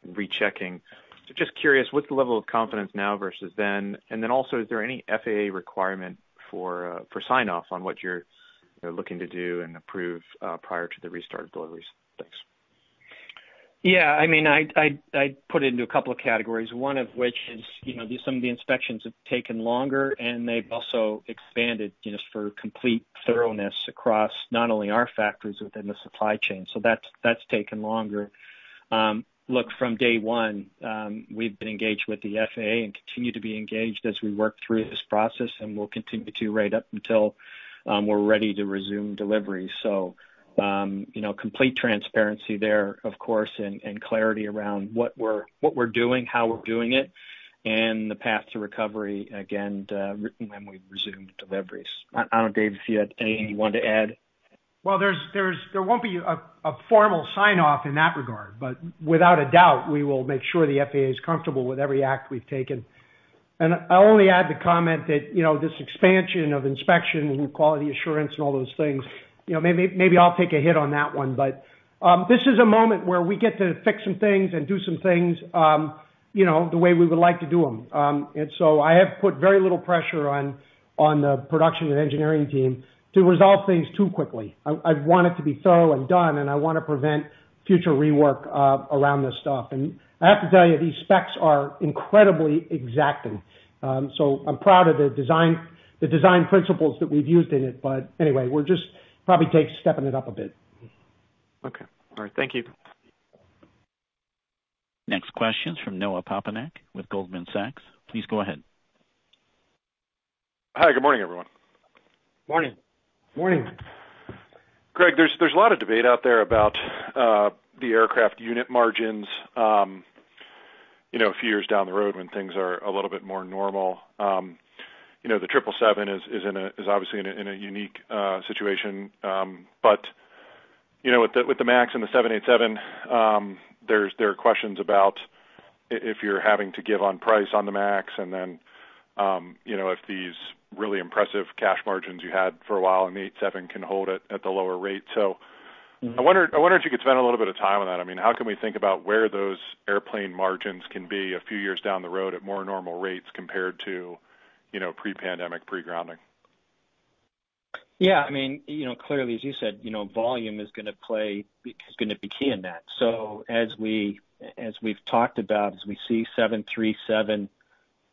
[SPEAKER 6] rechecking. Just curious, what's the level of confidence now versus then? Also, is there any FAA requirement for sign-off on what you're looking to do and approve prior to the restart of deliveries? Thanks.
[SPEAKER 4] Yeah. I'd put it into a couple of categories, one of which is some of the inspections have taken longer, and they've also expanded just for complete thoroughness across not only our factories within the supply chain. That's taken longer. Look, from day one, we've been engaged with the FAA and continue to be engaged as we work through this process, and we'll continue to right up until we're ready to resume delivery. Complete transparency there, of course, and clarity around what we're doing, how we're doing it, and the path to recovery, again, when we resume deliveries. I don't know, Dave, if you had anything you wanted to add.
[SPEAKER 3] There won't be a formal sign-off in that regard, but without a doubt, we will make sure the FAA is comfortable with every act we've taken. I'll only add the comment that this expansion of inspection and quality assurance and all those things, maybe I'll take a hit on that one, but this is a moment where we get to fix some things and do some things the way we would like to do them. I have put very little pressure on the production and engineering team to resolve things too quickly. I want it to be thorough and done, and I want to prevent future rework around this stuff. I have to tell you, these specs are incredibly exacting. I'm proud of the design principles that we've used in it. Anyway, we're just probably stepping it up a bit.
[SPEAKER 6] Okay. All right. Thank you.
[SPEAKER 1] Next question's from Noah Poponak with Goldman Sachs. Please go ahead.
[SPEAKER 7] Hi, good morning, everyone.
[SPEAKER 4] Morning.
[SPEAKER 3] Morning.
[SPEAKER 7] Greg, there's a lot of debate out there about the aircraft unit margins a few years down the road when things are a little bit more normal. The 777 is obviously in a unique situation. With the MAX and the 787, there are questions about if you're having to give on price on the MAX and then if these really impressive cash margins you had for a while on the 787 can hold it at the lower rate. I wonder if you could spend a little bit of time on that. How can we think about where those airplane margins can be a few years down the road at more normal rates compared to pre-pandemic, pre-grounding?
[SPEAKER 4] Clearly, as you said, volume is going to be key in that. As we've talked about, as we see 737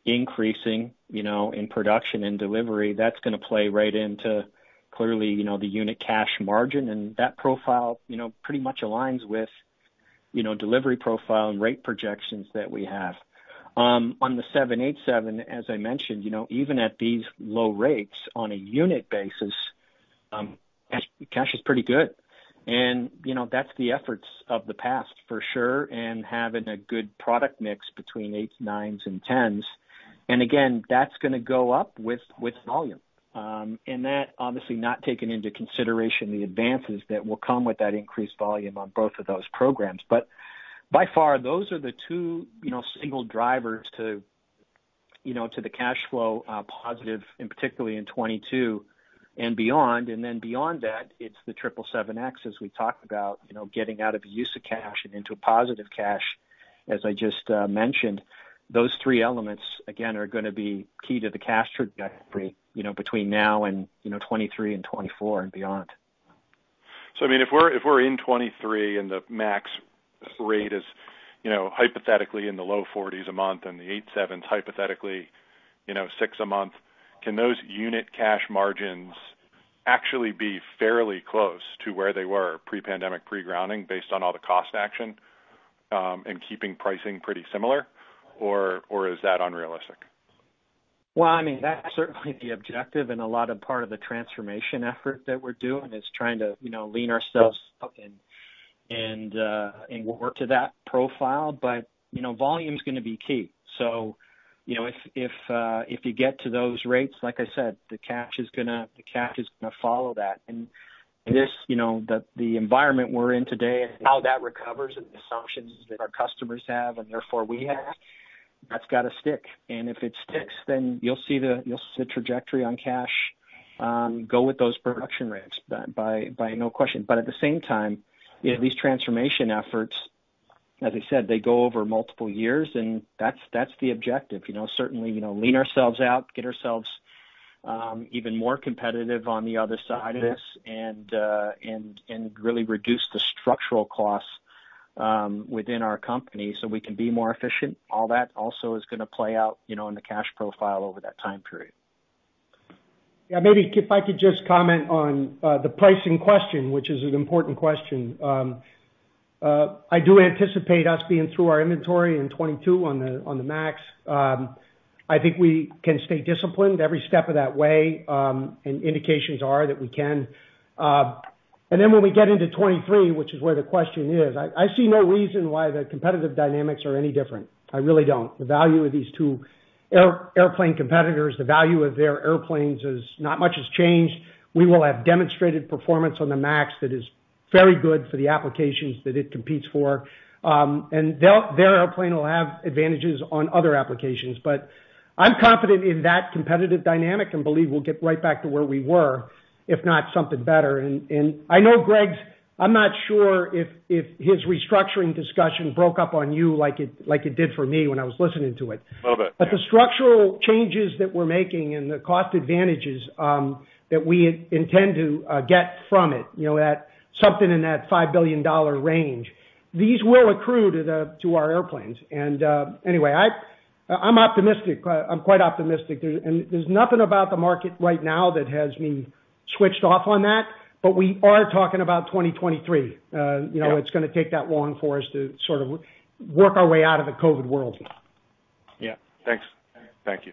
[SPEAKER 4] increasing in production and delivery, that's going to play right into, clearly, the unit cash margin, and that profile pretty much aligns with delivery profile and rate projections that we have. On the 787, as I mentioned, even at these low rates on a unit basis, cash is pretty good. That's the efforts of the past, for sure, and having a good product mix between eights, nines, and tens. Again, that's going to go up with volume. That obviously not taking into consideration the advances that will come with that increased volume on both of those programs. By far, those are the two single drivers to the cash flow positive, and particularly in 2022. Beyond that, it's the 777X, as we talked about, getting out of use of cash and into positive cash, as I just mentioned. Those three elements, again, are going to be key to the cash trajectory between now and 2023 and 2024 and beyond.
[SPEAKER 7] If we're in 2023 and the MAX rate is hypothetically in the low 40s a month, and the 787s hypothetically six a month, can those unit cash margins actually be fairly close to where they were pre-pandemic, pre-grounding, based on all the cost action, and keeping pricing pretty similar, or is that unrealistic?
[SPEAKER 4] That's certainly the objective, and a lot of part of the transformation effort that we're doing is trying to lean ourselves up and work to that profile. Volume's going to be key. If you get to those rates, like I said, the cash is going to follow that. The environment we're in today, how that recovers and the assumptions that our customers have, and therefore we have, that's got to stick. If it sticks, then you'll see the trajectory on cash go with those production rates, by no question. At the same time, these transformation efforts, as I said, they go over multiple years, and that's the objective. Certainly, lean ourselves out, get ourselves even more competitive on the other side of this, and really reduce the structural costs within our company so we can be more efficient. All that also is going to play out in the cash profile over that time period.
[SPEAKER 3] Yeah, maybe if I could just comment on the pricing question, which is an important question. I do anticipate us being through our inventory in 2022 on the MAX. I think we can stay disciplined every step of that way, and indications are that we can. When we get into 2023, which is where the question is, I see no reason why the competitive dynamics are any different. I really don't. The value of these two airplane competitors, the value of their airplanes, not much has changed. We will have demonstrated performance on the MAX that is very good for the applications that it competes for. Their airplane will have advantages on other applications. I'm confident in that competitive dynamic and believe we'll get right back to where we were, if not something better. I know Greg's, I'm not sure if his restructuring discussion broke up on you like it did for me when I was listening to it.
[SPEAKER 7] Little bit, yeah.
[SPEAKER 3] The structural changes that we're making and the cost advantages that we intend to get from it, something in that $5 billion range, these will accrue to our airplanes. Anyway, I'm optimistic. I'm quite optimistic. There's nothing about the market right now that has me switched off on that. We are talking about 2023. It's going to take that long for us to sort of work our way out of the COVID-19 world now.
[SPEAKER 4] Yeah. Thanks.
[SPEAKER 7] Thank you.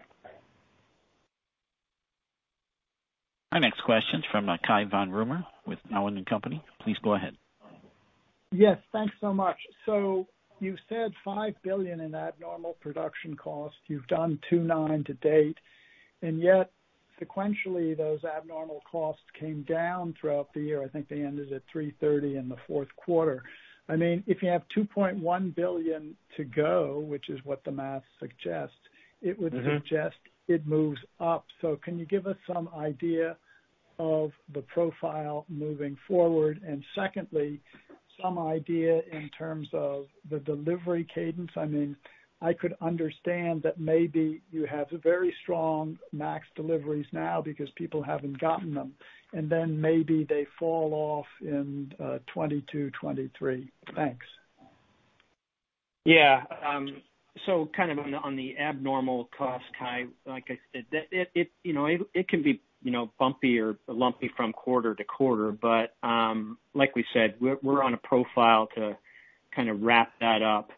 [SPEAKER 1] Our next question's from Cai von Rumohr with Cowen and Company. Please go ahead.
[SPEAKER 8] Yes, thanks so much. You said $5 billion in abnormal production costs. You've done $2.9 billion to date, and yet sequentially, those abnormal costs came down throughout the year. I think they ended at $330 million in the fourth quarter. If you have $2.1 billion to go, which is what the math suggests, it would suggest it moves up. Can you give us some idea of the profile moving forward? Secondly, some idea in terms of the delivery cadence. I could understand that maybe you have very strong MAX deliveries now because people haven't gotten them, and then maybe they fall off in 2022, 2023. Thanks.
[SPEAKER 4] Kind of on the abnormal cost, Cai, like I said, it can be bumpy or lumpy from quarter to quarter, but like we said, we're on a profile to kind of wrap that up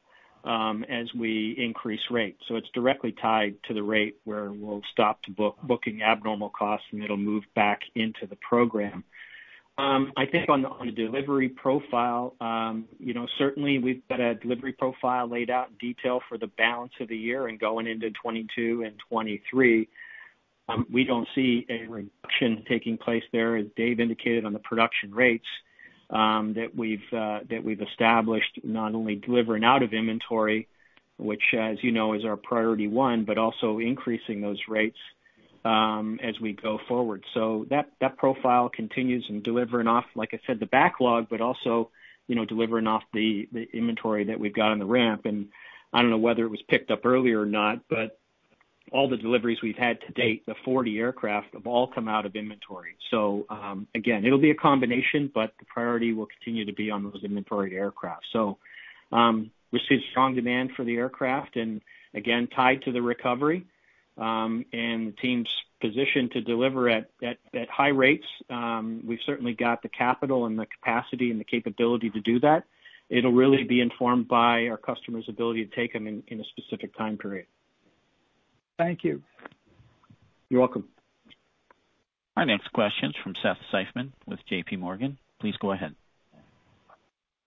[SPEAKER 4] as we increase rates. It's directly tied to the rate where we'll stop booking abnormal costs, and it'll move back into the program. I think on the delivery profile, certainly we've got a delivery profile laid out in detail for the balance of the year and going into 2022 and 2023. We don't see a reduction taking place there, as Dave indicated on the production rates that we've established, not only delivering out of inventory, which as you know, is our priority one, but also increasing those rates as we go forward. That profile continues in delivering off, like I said, the backlog, but also delivering off the inventory that we've got on the ramp. I don't know whether it was picked up earlier or not, but all the deliveries we've had to date, the 40 aircraft, have all come out of inventory. Again, it'll be a combination, but the priority will continue to be on those inventory aircraft. We see strong demand for the aircraft, and again, tied to the recovery, and the team's positioned to deliver at high rates. We've certainly got the capital and the capacity and the capability to do that. It'll really be informed by our customers' ability to take them in a specific time period.
[SPEAKER 8] Thank you.
[SPEAKER 4] You're welcome.
[SPEAKER 1] Our next question's from Seth Seifman with JPMorgan. Please go ahead.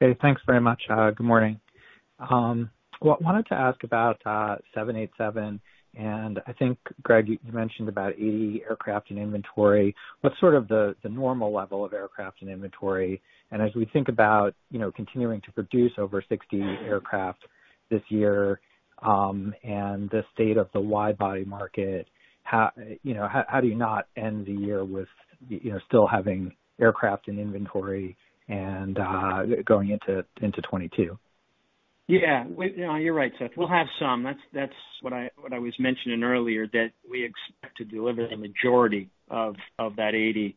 [SPEAKER 9] Okay. Thanks very much. Good morning. Well, I wanted to ask about 787. I think, Greg, you mentioned about 80 aircraft in inventory. What's sort of the normal level of aircraft in inventory? As we think about continuing to produce over 60 aircraft this year, and the state of the wide-body market, how do you not end the year with still having aircraft in inventory and going into 2022?
[SPEAKER 4] Yeah. You're right, Seth. We'll have some. That's what I was mentioning earlier, that we expect to deliver the majority of that 80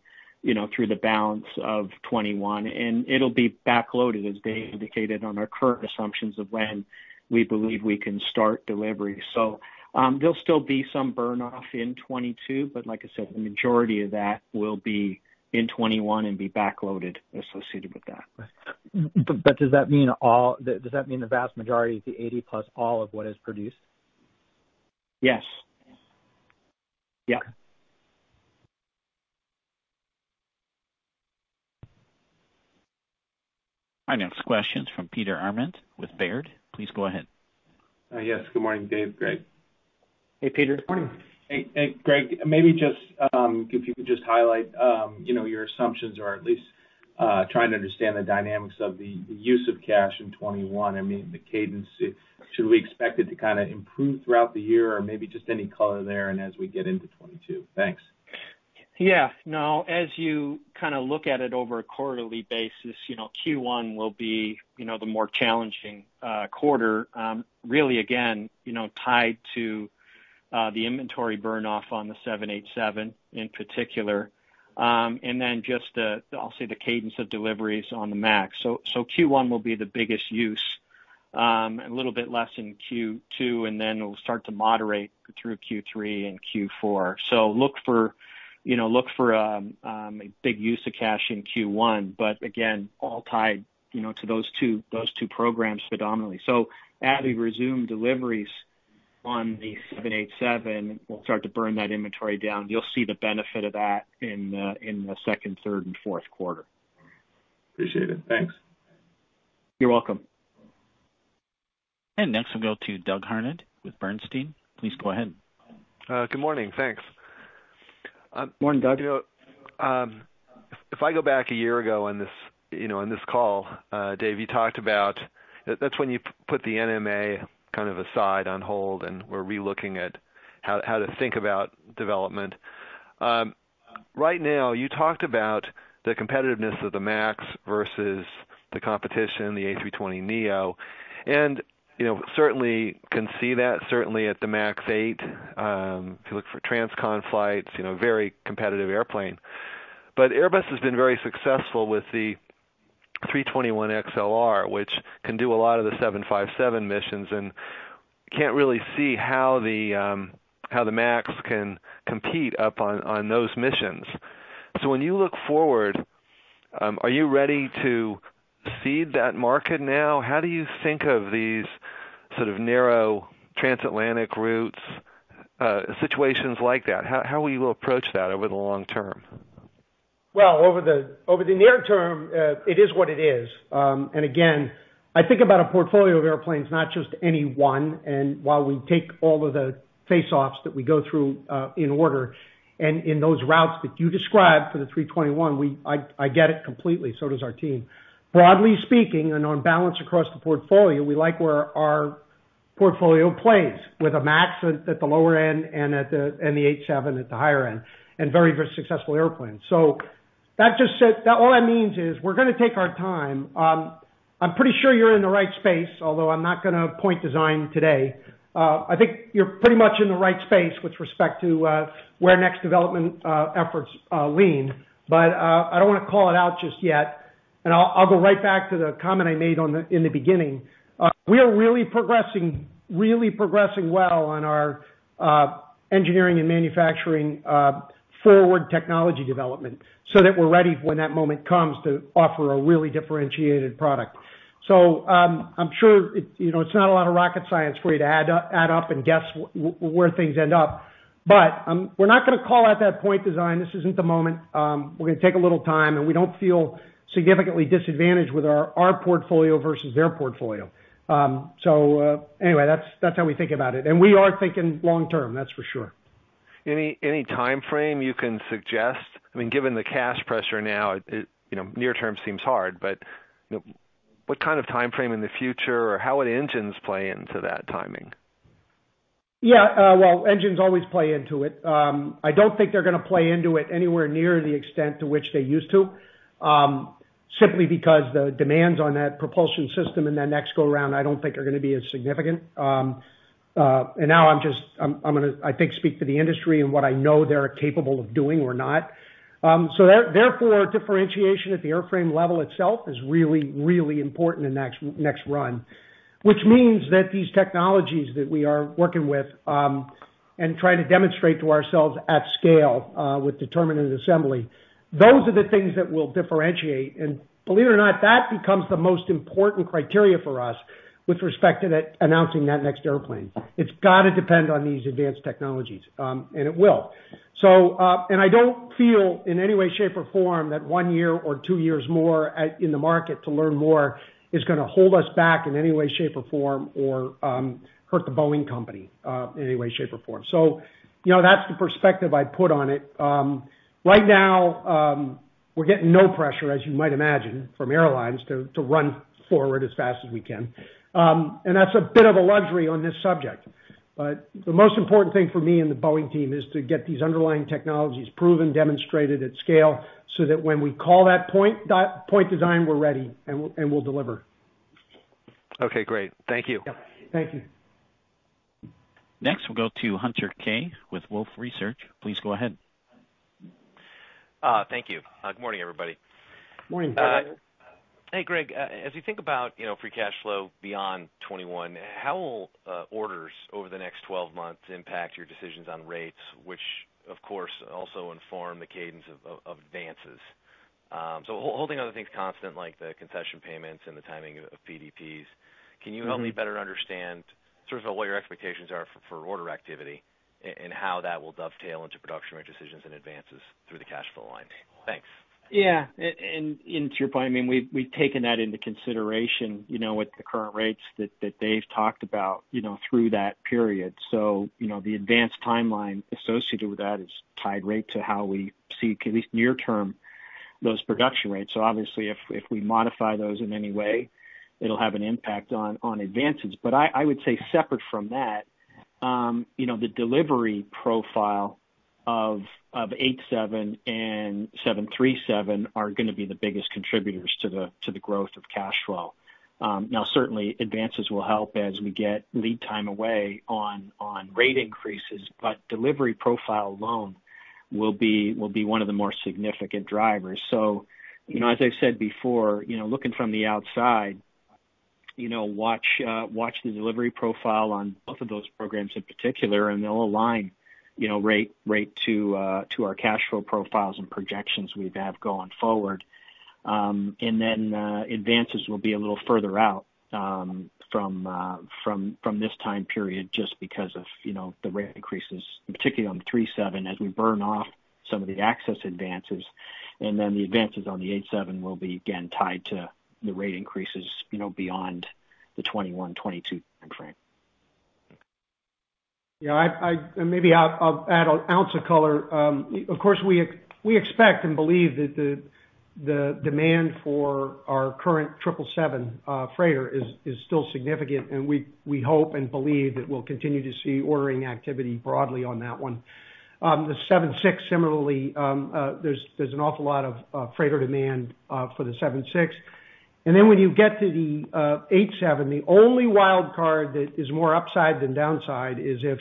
[SPEAKER 4] through the balance of 2021, and it'll be back-loaded, as Dave indicated, on our current assumptions of when we believe we can start delivery. There'll still be some burn-off in 2022, but like I said, the majority of that will be in 2021 and be back-loaded associated with that.
[SPEAKER 9] Does that mean the vast majority of the 80+ all of what is produced?
[SPEAKER 4] Yes. Yeah.
[SPEAKER 1] Our next question's from Peter Arment with Baird. Please go ahead.
[SPEAKER 10] Yes, good morning, Dave, Greg.
[SPEAKER 4] Hey, Peter.
[SPEAKER 3] Morning.
[SPEAKER 10] Hey. Greg, maybe if you could just highlight your assumptions or at least trying to understand the dynamics of the use of cash in 2021. I mean, the cadence, should we expect it to kind of improve throughout the year, or maybe just any color there and as we get into 2022? Thanks.
[SPEAKER 4] No, as you kind of look at it over a quarterly basis, Q1 will be the more challenging quarter. Really, again, tied to the inventory burn-off on the 787 in particular. Just the, I'll say, the cadence of deliveries on the MAX. Q1 will be the biggest use, a little bit less in Q2, it'll start to moderate through Q3 and Q4. Look for a big use of cash in Q1. Again, all tied to those two programs predominantly. As we resume deliveries on the 787, we'll start to burn that inventory down. You'll see the benefit of that in the second, third, and fourth quarter.
[SPEAKER 10] Appreciate it. Thanks.
[SPEAKER 4] You're welcome.
[SPEAKER 1] Next, we'll go to Doug Harned with Bernstein. Please go ahead.
[SPEAKER 11] Good morning. Thanks.
[SPEAKER 3] Morning, Doug.
[SPEAKER 11] If I go back a year ago on this call, Dave, you talked about, that's when you put the NMA kind of aside on hold, and we're re-looking at how to think about development. Right now, you talked about the competitiveness of the MAX versus the competition, the A320neo, and certainly can see that certainly at the MAX 8. If you look for transcon flights, very competitive airplane. Airbus has been very successful with the A321XLR, which can do a lot of the 757 missions, and can't really see how the MAX can compete up on those missions. When you look forward, are you ready to cede that market now? How do you think of these sort of narrow transatlantic routes, situations like that? How will you approach that over the long term?
[SPEAKER 3] Well, over the near term, it is what it is. Again, I think about a portfolio of airplanes, not just any one. While we take all of the face-offs that we go through in order, and in those routes that you described for the A321, I get it completely, so does our team. Broadly speaking, and on balance across the portfolio, we like where our portfolio plays with a MAX at the lower end and the 777 at the higher end, and very successful airplanes. All that means is we're going to take our time. I'm pretty sure you're in the right space, although I'm not going to point design today. I think you're pretty much in the right space with respect to where next development efforts lean, but I don't want to call it out just yet. I'll go right back to the comment I made in the beginning. We are really progressing well on our engineering and manufacturing forward technology development so that we're ready when that moment comes to offer a really differentiated product. I'm sure it's not a lot of rocket science for you to add up and guess where things end up, but we're not going to call out that point design. This isn't the moment. We're going to take a little time, and we don't feel significantly disadvantaged with our portfolio versus their portfolio. Anyway, that's how we think about it, and we are thinking long term, that's for sure.
[SPEAKER 11] Any timeframe you can suggest? I mean, given the cash pressure now, near term seems hard, but what kind of timeframe in the future, or how would engines play into that timing?
[SPEAKER 3] Yeah. Well, engines always play into it. I don't think they're going to play into it anywhere near the extent to which they used to. Simply because the demands on that propulsion system and that next go-round I don't think are going to be as significant. Now I'm going to, I think, speak to the industry and what I know they're capable of doing or not. Therefore, differentiation at the airframe level itself is really, really important in next run. Means that these technologies that we are working with, and trying to demonstrate to ourselves at scale, with determinant assembly, those are the things that will differentiate. Believe it or not, that becomes the most important criteria for us with respect to announcing that next airplane. It's got to depend on these advanced technologies, and it will. I don't feel in any way, shape, or form that one year or two years more in the market to learn more is going to hold us back in any way, shape, or form or hurt The Boeing Company in any way, shape, or form. That's the perspective I'd put on it. We're getting no pressure, as you might imagine, from airlines to run forward as fast as we can. That's a bit of a luxury on this subject. The most important thing for me and the Boeing team is to get these underlying technologies proven, demonstrated at scale, so that when we call that point design, we're ready, and we'll deliver.
[SPEAKER 11] Okay, great. Thank you.
[SPEAKER 3] Yeah. Thank you.
[SPEAKER 1] Next, we'll go to Hunter Keay with Wolfe Research. Please go ahead.
[SPEAKER 12] Thank you. Good morning, everybody.
[SPEAKER 3] Morning, Hunter.
[SPEAKER 12] Hey, Greg. As you think about free cash flow beyond 2021, how will orders over the next 12 months impact your decisions on rates, which of course, also inform the cadence of advances? Holding other things constant, like the concession payments and the timing of PDPs, can you help me better understand sort of what your expectations are for order activity and how that will dovetail into production rate decisions and advances through the cash flow line? Thanks.
[SPEAKER 4] Yeah. To your point, we've taken that into consideration, with the current rates that Dave talked about through that period. The advanced timeline associated with that is tied right to how we seek, at least near term, those production rates. Obviously if we modify those in any way, it'll have an impact on advances. I would say separate from that, the delivery profile of 787 and 737 are going to be the biggest contributors to the growth of cash flow. Now, certainly advances will help as we get lead time away on rate increases, but delivery profile alone will be one of the more significant drivers. As I've said before, looking from the outside, watch the delivery profile on both of those programs in particular, and they'll align rate to our cash flow profiles and projections we have going forward. Advances will be a little further out from this time period, just because of the rate increases, particularly on the 737, as we burn off some of the excess advances. The advances on the 787 will be again, tied to the rate increases beyond the 2021, 2022 time frame.
[SPEAKER 3] Yeah. Maybe I'll add an ounce of color. Of course, we expect and believe that the demand for our current 777 freighter is still significant, and we hope and believe that we'll continue to see ordering activity broadly on that one. The 767 similarly, there's an awful lot of freighter demand for the 767. When you get to the 787, the only wild card that is more upside than downside is if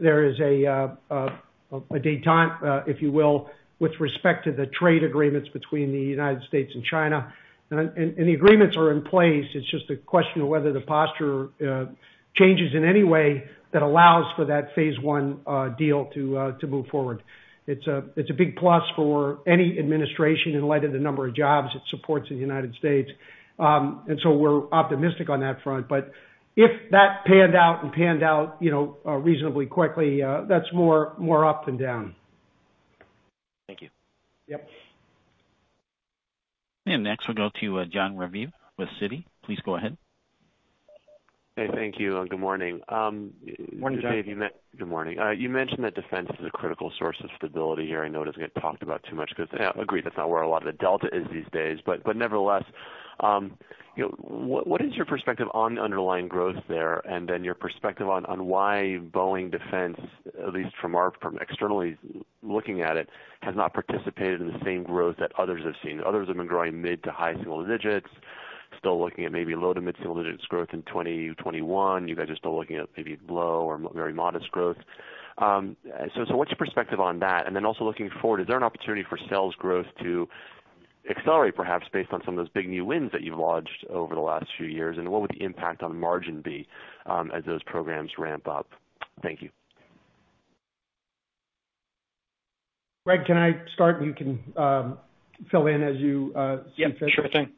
[SPEAKER 3] there is a détente, if you will, with respect to the trade agreements between the U.S. and China. The agreements are in place, it's just a question of whether the posture changes in any way that allows for that phase one deal to move forward. It's a big plus for any administration in light of the number of jobs it supports in the U.S. We're optimistic on that front, but if that panned out and panned out reasonably quickly, that's more up than down.
[SPEAKER 12] Thank you.
[SPEAKER 3] Yep.
[SPEAKER 1] Next, we'll go to Jon Raviv with Citi. Please go ahead.
[SPEAKER 13] Hey, thank you, and good morning.
[SPEAKER 4] Morning, Jon.
[SPEAKER 13] Good morning. You mentioned that defense is a critical source of stability here. I know it doesn't get talked about too much because, agreed, that's not where a lot of the delta is these days. Nevertheless, what is your perspective on underlying growth there, and then your perspective on why Boeing Defense, at least from externally looking at it, has not participated in the same growth that others have seen? Others have been growing mid-to-high single digits, still looking at maybe low-to-mid single digits growth in 2021. You guys are still looking at maybe low or very modest growth. What's your perspective on that? Also looking forward, is there an opportunity for sales growth to accelerate, perhaps based on some of those big new wins that you've lodged over the last few years? What would the impact on margin be as those programs ramp up? Thank you.
[SPEAKER 3] Greg, can I start, and you can fill in as you see fit?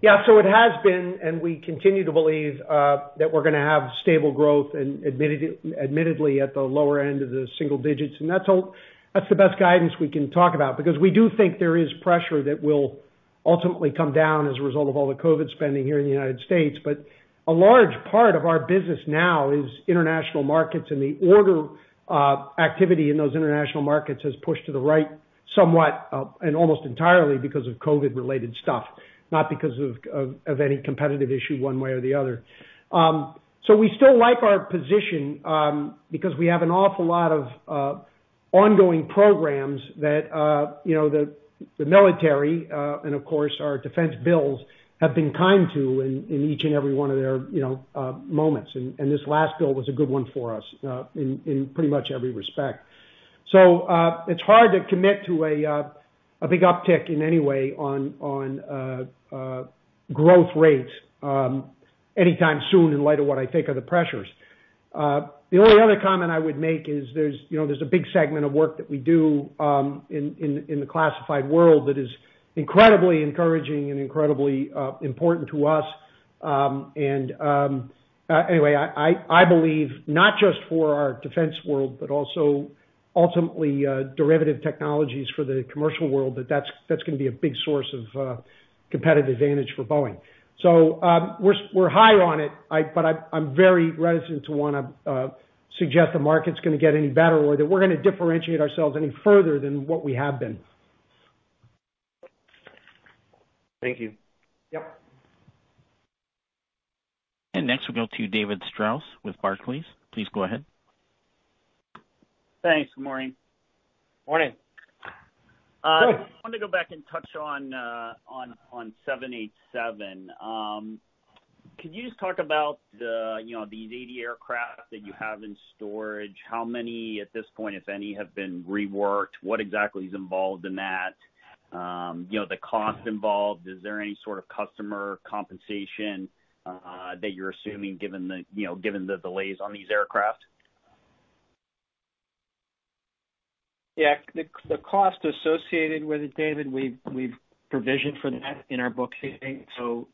[SPEAKER 4] Yeah, sure thing. Yeah.
[SPEAKER 3] Yeah, it has been, and we continue to believe, that we're going to have stable growth, and admittedly at the lower end of the single digits. That's the best guidance we can talk about, because we do think there is pressure that will ultimately come down as a result of all the COVID spending here in the U.S. A large part of our business now is international markets, and the order activity in those international markets has pushed to the right somewhat, and almost entirely because of COVID-related stuff, not because of any competitive issue one way or the other. We still like our position, because we have an awful lot of ongoing programs that the military, and of course, our defense bills, have been kind to in each and every one of their moments. This last bill was a good one for us in pretty much every respect. It's hard to commit to a big uptick in any way on growth rates anytime soon in light of what I think are the pressures. The only other comment I would make is there's a big segment of work that we do in the classified world that is incredibly encouraging and incredibly important to us. Anyway, I believe, not just for our defense world, but also ultimately derivative technologies for the commercial world, that that's going to be a big source of competitive advantage for Boeing. We're higher on it, but I'm very reticent to want to suggest the market's going to get any better or that we're going to differentiate ourselves any further than what we have been.
[SPEAKER 13] Thank you.
[SPEAKER 3] Yep.
[SPEAKER 1] Next we'll go to David Strauss with Barclays. Please go ahead.
[SPEAKER 14] Thanks. Good morning.
[SPEAKER 4] Morning.
[SPEAKER 14] I wanted to go back and touch on 787. Could you just talk about these 80 aircraft that you have in storage, how many at this point, if any, have been reworked, what exactly is involved in that? The cost involved. Is there any sort of customer compensation that you're assuming given the delays on these aircraft?
[SPEAKER 4] Yeah. The cost associated with it, Dave, we've provisioned for that in our bookkeeping, so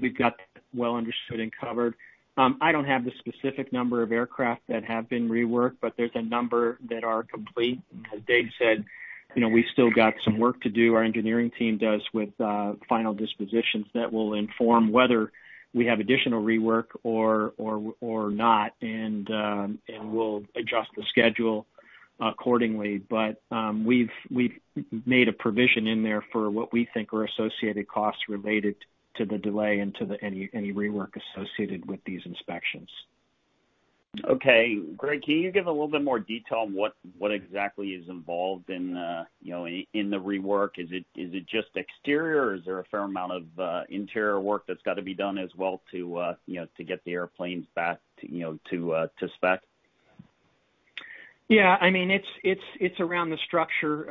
[SPEAKER 4] we've got that well understood and covered. I don't have the specific number of aircraft that have been reworked, but there's a number that are complete. As Dave said, we've still got some work to do. Our engineering team does with final dispositions that will inform whether we have additional rework or not, and we'll adjust the schedule accordingly. We've made a provision in there for what we think are associated costs related to the delay and to any rework associated with these inspections.
[SPEAKER 14] Okay. Greg, can you give a little bit more detail on what exactly is involved in the rework? Is it just exterior, or is there a fair amount of interior work that's got to be done as well to get the airplanes back to spec?
[SPEAKER 4] Yeah. It's around the structure.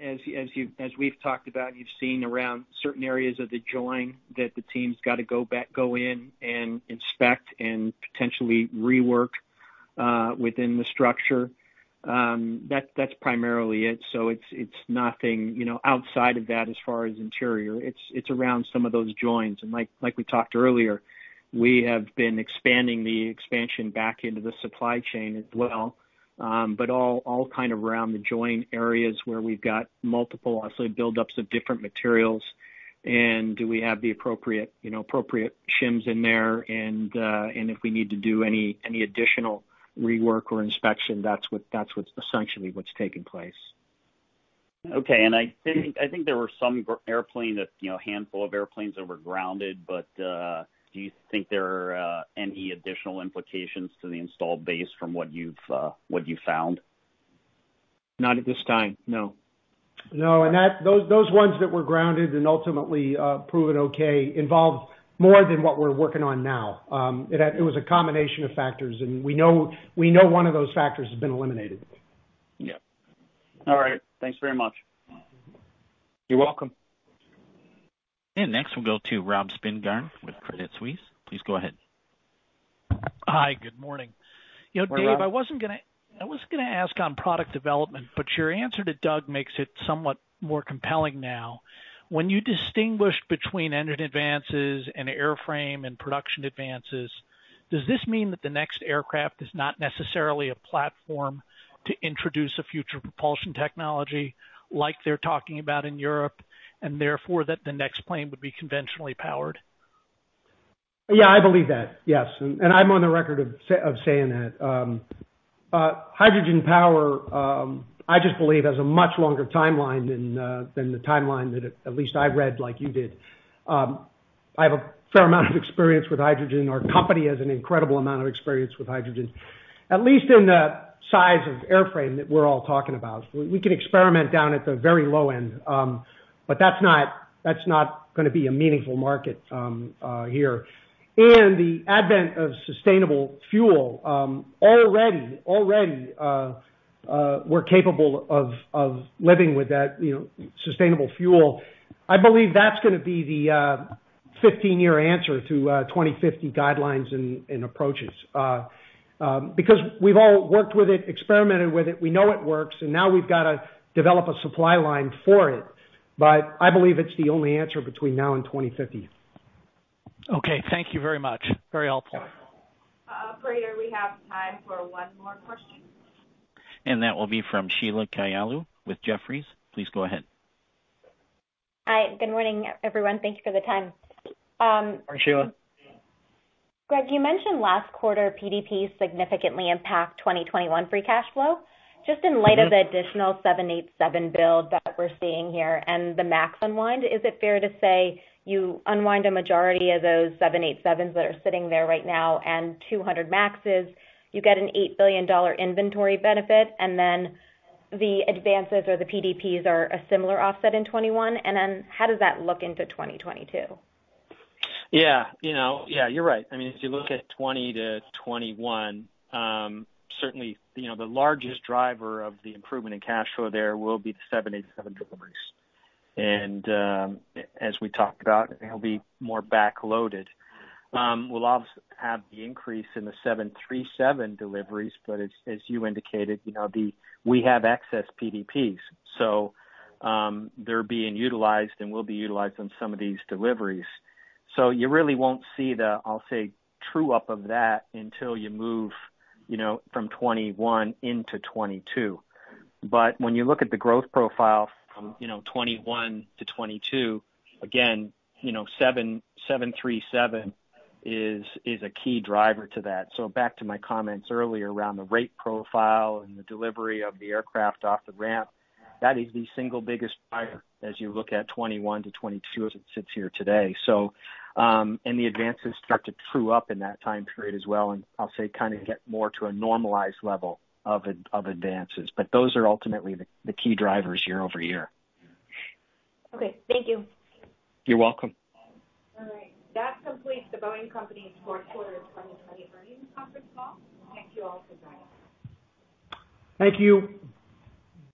[SPEAKER 4] As we've talked about, you've seen around certain areas of the join that the team's got to go in and inspect and potentially rework within the structure. That's primarily it. It's nothing outside of that as far as interior. It's around some of those joins. Like we talked earlier, we have been expanding the expansion back into the supply chain as well. All around the join areas where we've got multiple, I'll say, buildups of different materials, and do we have the appropriate shims in there, and if we need to do any additional rework or inspection, that's essentially what's taking place.
[SPEAKER 14] Okay. I think there were some handful of airplanes that were grounded, but do you think there are any additional implications to the installed base from what you've found?
[SPEAKER 4] Not at this time, no.
[SPEAKER 3] No, and those ones that were grounded and ultimately proven okay involved more than what we're working on now. It was a combination of factors, and we know one of those factors has been eliminated.
[SPEAKER 14] Yeah. All right. Thanks very much.
[SPEAKER 4] You're welcome.
[SPEAKER 1] Next, we'll go to Rob Spingarn with Credit Suisse. Please go ahead.
[SPEAKER 15] Hi. Good morning.
[SPEAKER 4] Good morning, Rob.
[SPEAKER 15] Dave, I wasn't going to ask on product development, but your answer to Doug makes it somewhat more compelling now. When you distinguish between engine advances and airframe and production advances, does this mean that the next aircraft is not necessarily a platform to introduce a future propulsion technology like they're talking about in Europe, and therefore that the next plane would be conventionally powered?
[SPEAKER 3] Yeah, I believe that. Yes. I'm on the record of saying that. Hydrogen power, I just believe has a much longer timeline than the timeline that at least I read like you did. I have a fair amount of experience with hydrogen. Our company has an incredible amount of experience with hydrogen, at least in the size of airframe that we're all talking about. We can experiment down at the very low end, but that's not going to be a meaningful market here. The advent of sustainable fuel. Already, we're capable of living with that sustainable fuel. I believe that's going to be the 15-year answer to 2050 guidelines and approaches. We've all worked with it, experimented with it, we know it works, and now we've got to develop a supply line for it. I believe it's the only answer between now and 2050.
[SPEAKER 15] Okay. Thank you very much. Very helpful.
[SPEAKER 2] Operator, we have time for one more question.
[SPEAKER 1] That will be from Sheila Kahyaoglu with Jefferies. Please go ahead.
[SPEAKER 16] Hi. Good morning, everyone. Thank you for the time.
[SPEAKER 4] Morning, Sheila.
[SPEAKER 16] Greg, you mentioned last quarter PDPs significantly impact 2021 free cash flow. Just in light of the additional 787 build that we're seeing here and the MAX unwind, is it fair to say you unwind a majority of those 787s that are sitting there right now and 200 MAXs, you get an $8 billion inventory benefit, and then the advances or the PDPs are a similar offset in 2021? How does that look into 2022?
[SPEAKER 4] Yeah. You're right. If you look at 2020 to 2021, certainly, the largest driver of the improvement in cash flow there will be the 787 deliveries. As we talked about, it'll be more back-loaded. We'll obviously have the increase in the 737 deliveries, but as you indicated, we have excess PDPs, so they're being utilized and will be utilized on some of these deliveries. You really won't see the, I'll say, true-up of that until you move from 2021 into 2022. When you look at the growth profile from 2021 to 2022, again, 737 is a key driver to that. Back to my comments earlier around the rate profile and the delivery of the aircraft off the ramp, that is the single biggest driver as you look at 2021 to 2022 as it sits here today. The advances start to true-up in that time period as well, and I'll say kind of get more to a normalized level of advances. Those are ultimately the key drivers year-over-year.
[SPEAKER 16] Okay. Thank you.
[SPEAKER 4] You're welcome.
[SPEAKER 2] All right. That completes The Boeing Company's Fourth Quarter 2020 Earnings Conference Call. Thank you all for joining.
[SPEAKER 3] Thank you.